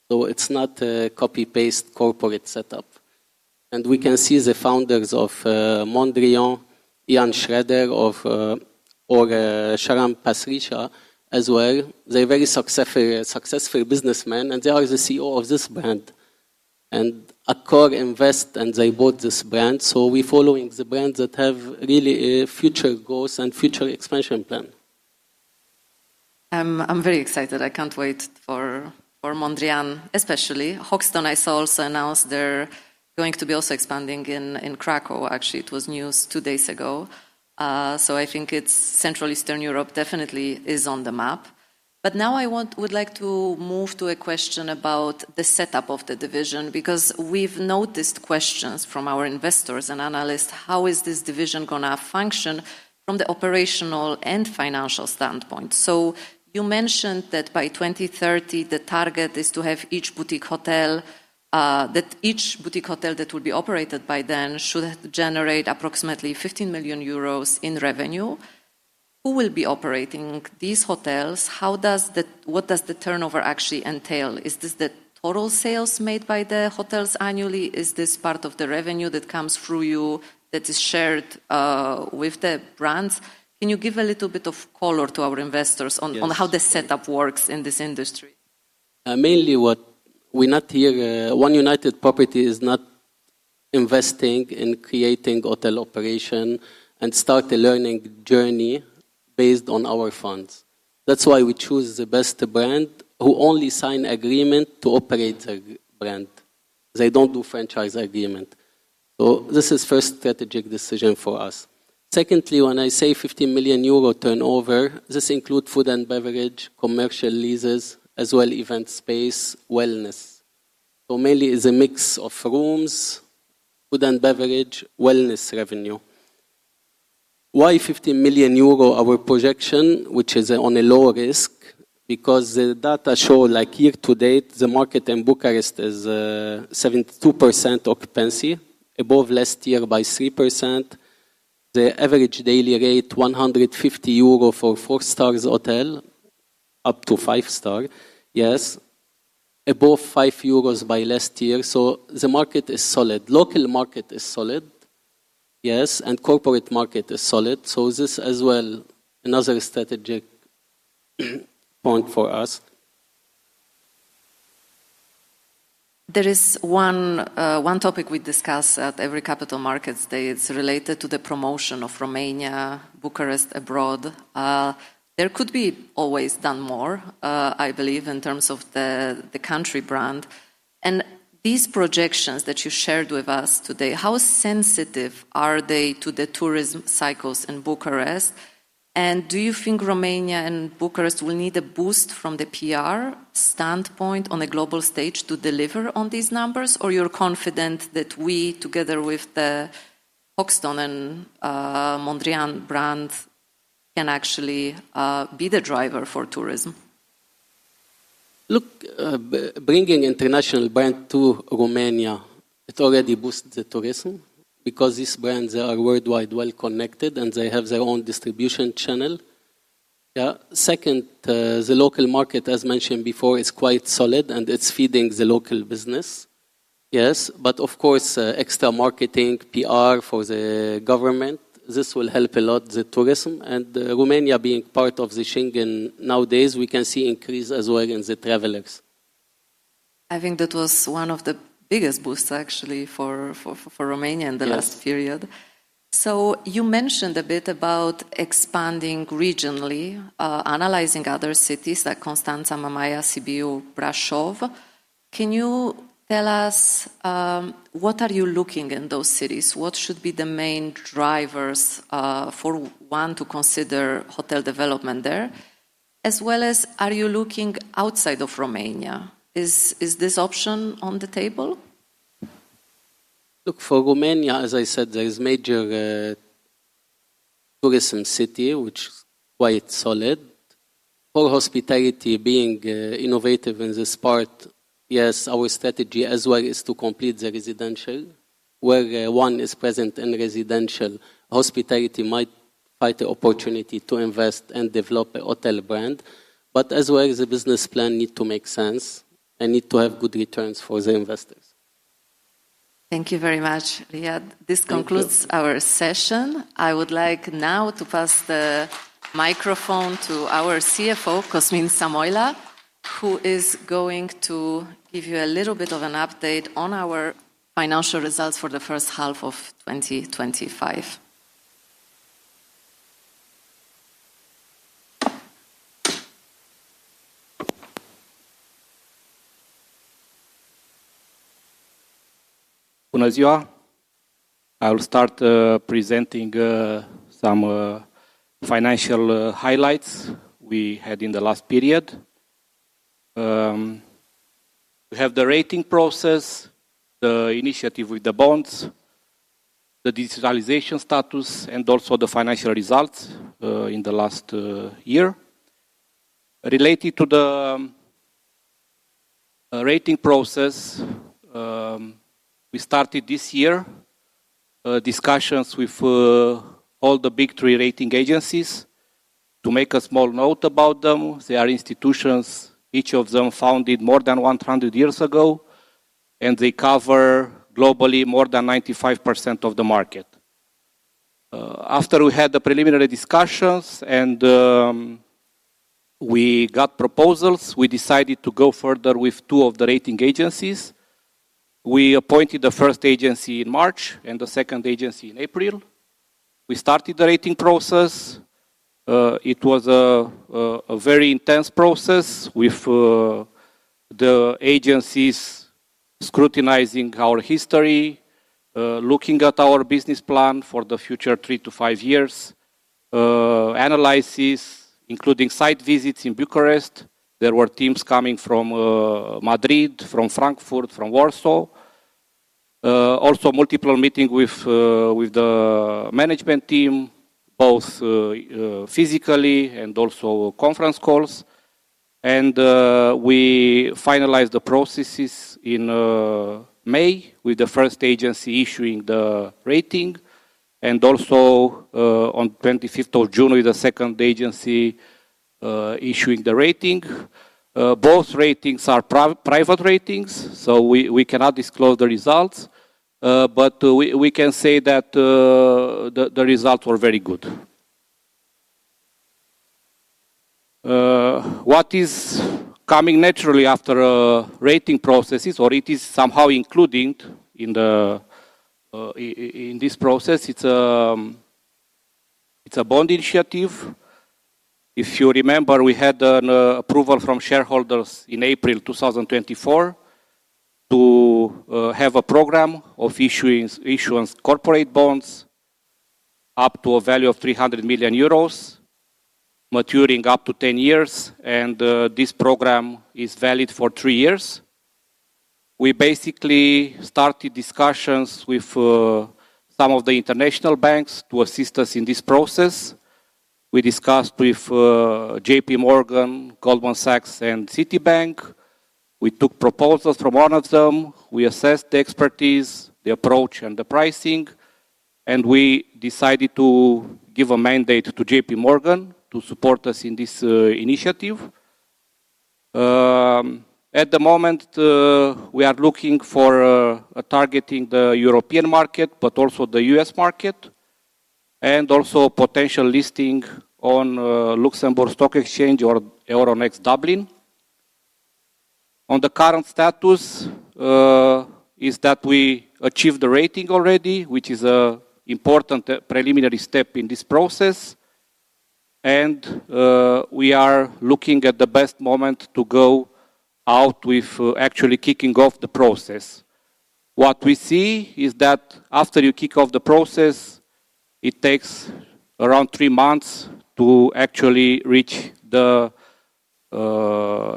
It's not a copy-paste corporate setup. We can see the founders of Mondrian, Ian Schrager or Sharan Pasricha as well. They're very successful businessmen and they are the CEOs of this brand. Accor Invest, and they bought this brand. We're following the brands that have really future goals and future expansion plans. I'm very excited. I can't wait for Mondrian, especially. Hoxton, I saw also announced they're going to be also expanding in Krakow. Actually, it was news two days ago. I think Central Eastern Europe definitely is on the map. Now I would like to move to a question about the setup of the division because we've noticed questions from our investors and analysts. How is this division going to function from the operational and financial standpoint? You mentioned that by 2030, the target is to have each boutique hotel that will be operated by then should generate approximately €15 million in revenue. Who will be operating these hotels? What does the turnover actually entail? Is this the total sales made by the hotels annually? Is this part of the revenue that comes through you that is shared with the brands? Can you give a little bit of color to our investors on how the setup works in this industry? Mainly, what we're not here, One United Properties is not investing in creating hotel operation and start a learning journey based on our funds. That's why we choose the best brand who only signs an agreement to operate a brand. They don't do a franchise agreement. This is the first strategic decision for us. Secondly, when I say €15 million turnover, this includes food and beverage, commercial leases, as well as event space, wellness. Mainly, it's a mix of rooms, food and beverage, wellness revenue. Why €15 million? Our projection, which is on a low risk, because the data show like year to date, the market in Bucharest is 72% occupancy, above last year by 3%. The average daily rate is €150 for a four-star hotel, up to five stars, yes, above €5 by last year. The market is solid. The local market is solid, yes, and the corporate market is solid. This is as well another strategic point for us. There is one topic we discuss at every Capital Markets Day. It's related to the promotion of Romania, Bucharest abroad. There could always be more done, I believe, in terms of the country brand. These projections that you shared with us today, how sensitive are they to the tourism cycles in Bucharest? Do you think Romania and Bucharest will need a boost from the PR standpoint on the global stage to deliver on these numbers? Or are you confident that we, together with the Hoxton and Mondrian brand, can actually be the driver for tourism? Look, bringing an international brand to Romania already boosts the tourism because these brands are worldwide well connected and they have their own distribution channel. The local market, as mentioned before, is quite solid and it's feeding the local business. Extra marketing, PR for the government, this will help a lot the tourism. Romania being part of the Schengen nowadays, we can see an increase as well in the travelers. I think that was one of the biggest boosts, actually, for Romania in the last period. You mentioned a bit about expanding regionally, analyzing other cities like Constanța, Mamaia, Sibiu, Brașov. Can you tell us what are you looking in those cities? What should be the main drivers for one to consider hotel development there? As well as, are you looking outside of Romania? Is this option on the table? Look, for Romania, as I said, there is a major tourism city, which is quite solid. For hospitality, being innovative in this part, yes, our strategy as well is to complete the residential. Where One is present in residential, hospitality might find the opportunity to invest and develop a hotel brand. As well, the business plan needs to make sense and needs to have good returns for the investors. Thank you very much, Riyad. This concludes our session. I would like now to pass the microphone to our CFO, Cosmin Samoilă, who is going to give you a little bit of an update on our financial results for the first half of 2025. Bună ziua! I'll start presenting some financial highlights we had in the last period. We have the rating process, the initiative with the bonds, the digitalization status, and also the financial results in the last year. Related to the rating process, we started this year discussions with all the big three rating agencies. To make a small note about them, they are institutions, each of them founded more than 100 years ago, and they cover globally more than 95% of the market. After we had the preliminary discussions and we got proposals, we decided to go further with two of the rating agencies. We appointed the first agency in March and the second agency in April. We started the rating process. It was a very intense process with the agencies scrutinizing our history, looking at our business plan for the future three to five years, analysis, including site visits in Bucharest. There were teams coming from Madrid, from Frankfurt, from Warsaw. Also, multiple meetings with the management team, both physically and also conference calls. We finalized the processes in May with the first agency issuing the rating, and also on the 25th of June with the second agency issuing the rating. Both ratings are private ratings, so we cannot disclose the results, but we can say that the results were very good. What is coming naturally after rating processes, or it is somehow included in this process, it's a bond initiative. If you remember, we had an approval from shareholders in April 2024 to have a program of issuing corporate bonds up to a value of €300 million, maturing up to 10 years, and this program is valid for three years. We basically started discussions with some of the international banks to assist us in this process. We discussed with JP Morgan, Goldman Sachs, and Citibank. We took proposals from one of them. We assessed the expertise, the approach, and the pricing, and we decided to give a mandate to JP Morgan to support us in this initiative. At the moment, we are looking for targeting the European market, but also the U.S. market, and also potential listing on Luxembourg Stock Exchange or Euronext Dublin. On the current status, is that we achieved the rating already, which is an important preliminary step in this process, and we are looking at the best moment to go out with actually kicking off the process. What we see is that after you kick off the process, it takes around three months to actually reach the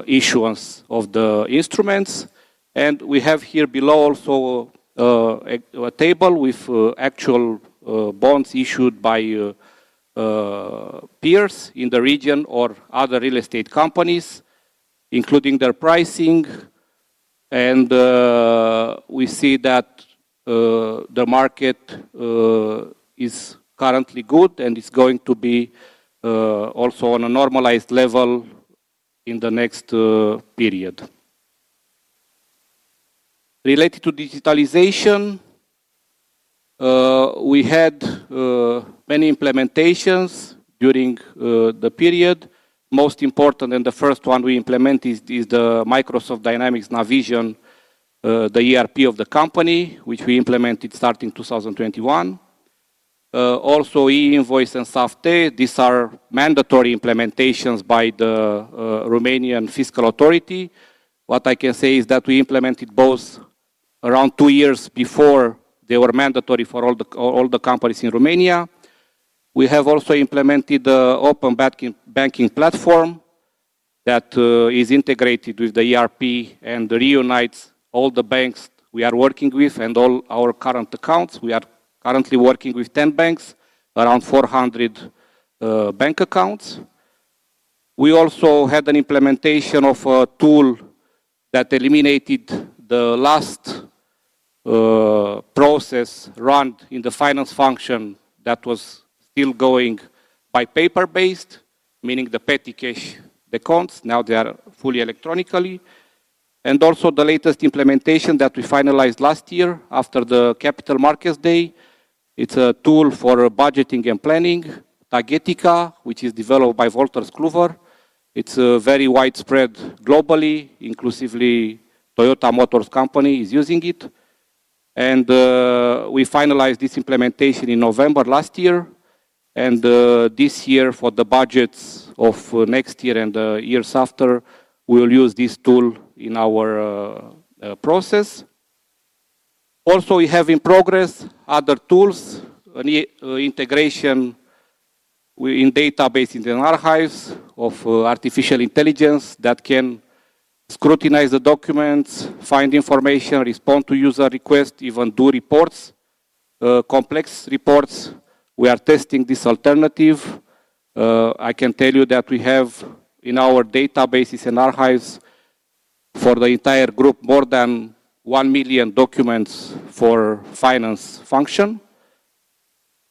issuance of the instruments. Below is also a table with actual bonds issued by peers in the region or other real estate companies, including their pricing. We see that the market is currently good and is going to be also on a normalized level in the next period. Related to digitalization, we had many implementations during the period. Most important, and the first one we implemented, is the Microsoft Dynamics Navision, the ERP of the company, which we implemented starting 2021. Also, e-Invoice and SAF-T, these are mandatory implementations by the Romanian Fiscal Authority. What I can say is that we implemented both around two years before they were mandatory for all the companies in Romania. We have also implemented the Open Banking platform that is integrated with the ERP and reunites all the banks we are working with and all our current accounts. We are currently working with 10 banks, around 400 bank accounts. We also had an implementation of a tool that eliminated the last process run in the finance function that was still going by paper-based, meaning the petty cash accounts. Now they are fully electronic. The latest implementation that we finalized last year after the Capital Markets Day is a tool for budgeting and planning, Tagetica, which is developed by Wolters Kluwer. It is very widespread globally, including Toyota Motors Company is using it. We finalized this implementation in November last year. This year, for the budgets of next year and the years after, we will use this tool in our process. We have in progress other tools, an integration in databases and archives of artificial intelligence that can scrutinize the documents, find information, respond to user requests, even do reports, complex reports. We are testing this alternative. I can tell you that we have in our databases and archives for the entire group more than 1 million documents for the finance function.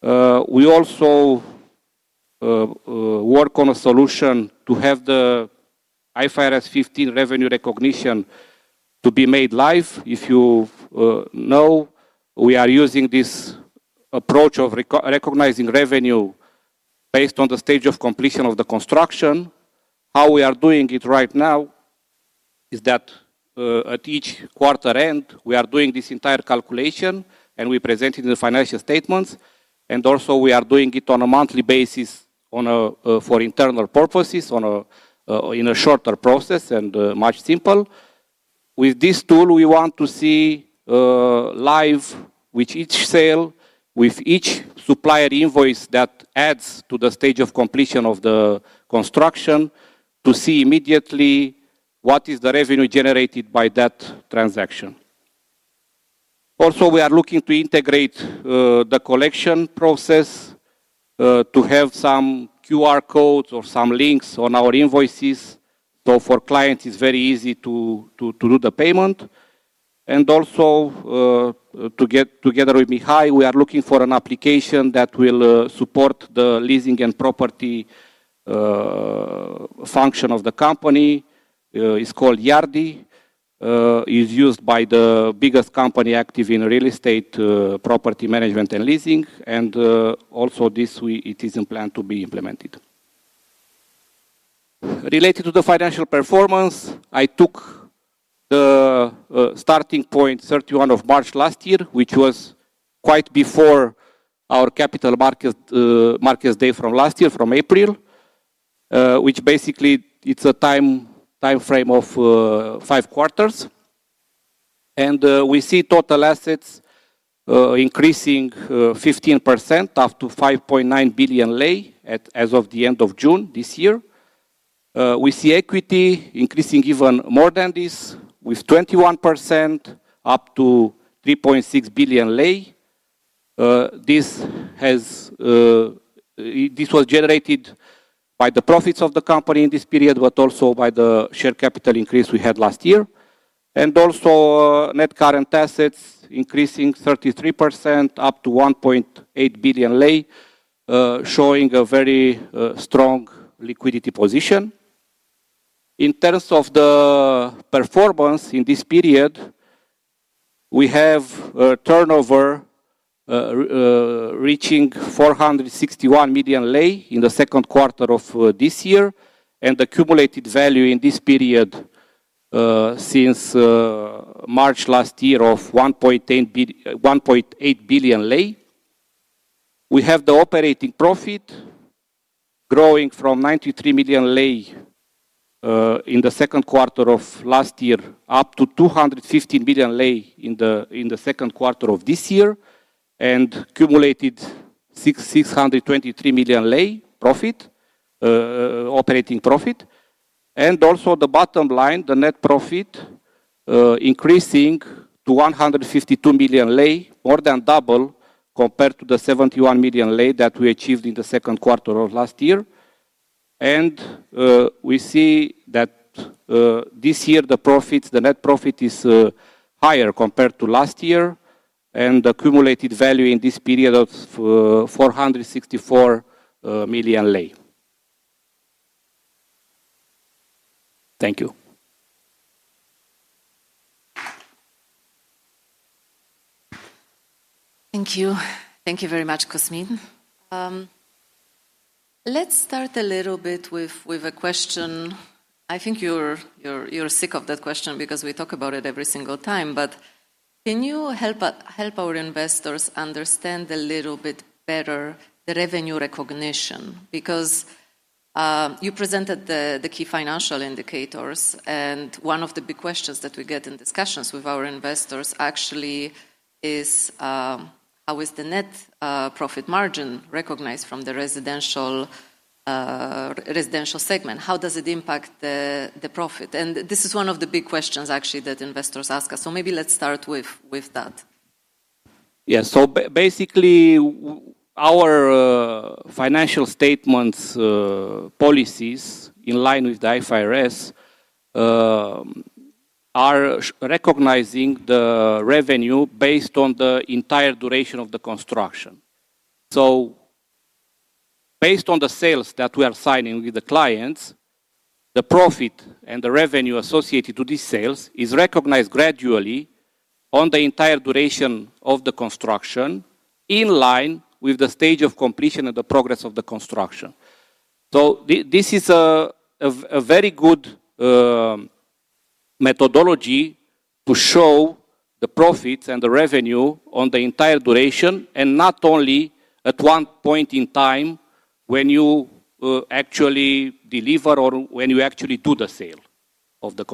We also work on a solution to have the IFRS 15 revenue recognition to be made live. If you know, we are using this approach of recognizing revenue based on the stage of completion of the construction. How we are doing it right now is that at each quarter end, we are doing this entire calculation and we present it in the financial statements. We are also doing it on a monthly basis for internal purposes in a shorter process and much simpler. With this tool, we want to see live with each sale, with each supplier invoice that adds to the stage of completion of the construction to see immediately what is the revenue generated by that transaction. Also, we are looking to integrate the collection process to have some QR codes or some links on our invoices so for clients it's very easy to do the payment. Also, together with Mihai Păduroiu, we are looking for an application that will support the leasing and property function of the company. It's called Yardi. It's used by the biggest company active in real estate property management and leasing. It is in plan to be implemented. Related to the financial performance, I took the starting point 31 of March last year, which was quite before our Capital Markets Day from last year, from April, which basically is a time frame of five quarters. We see total assets increasing 15% up to RON 5.9 billion as of the end of June this year. We see equity increasing even more than this with 21% up to RON 3.6 billion. This was generated by the profits of the company in this period, but also by the share capital increase we had last year. Also, net current assets increasing 33% up to RON 1.8 billion, showing a very strong liquidity position. In terms of the performance in this period, we have a turnover reaching RON 461 million in the second quarter of this year and the cumulative value in this period since March last year of RON 1.8 billion. We have the operating profit growing from RON 93 million in the second quarter of last year up to RON 215 million in the second quarter of this year, and cumulative RON 623 million profit, operating profit. Also, the bottom line, the net profit increasing to RON 152 million, more than double compared to the RON 71 million that we achieved in the second quarter of last year. We see that this year, the profits, the net profit is higher compared to last year, and the cumulative value in this period of RON 464 million. Thank you. Thank you. Thank you very much, Cosmin. Let's start a little bit with a question. I think you're sick of that question because we talk about it every single time. Can you help our investors understand a little bit better the revenue recognition? You presented the key financial indicators, and one of the big questions that we get in discussions with our investors actually is, how is the net profit margin recognized from the residential segment? How does it impact the profit? This is one of the big questions actually that investors ask us. Maybe let's start with that. Yeah. Basically, our financial statements policies in line with the IFRS are recognizing the revenue based on the entire duration of the construction. Based on the sales that we are signing with the clients, the profit and the revenue associated with these sales is recognized gradually on the entire duration of the construction in line with the stage of completion and the progress of the construction. This is a very good methodology to show the profits and the revenue on the entire duration and not only at one point in time when you actually deliver or when you actually do the sale of the.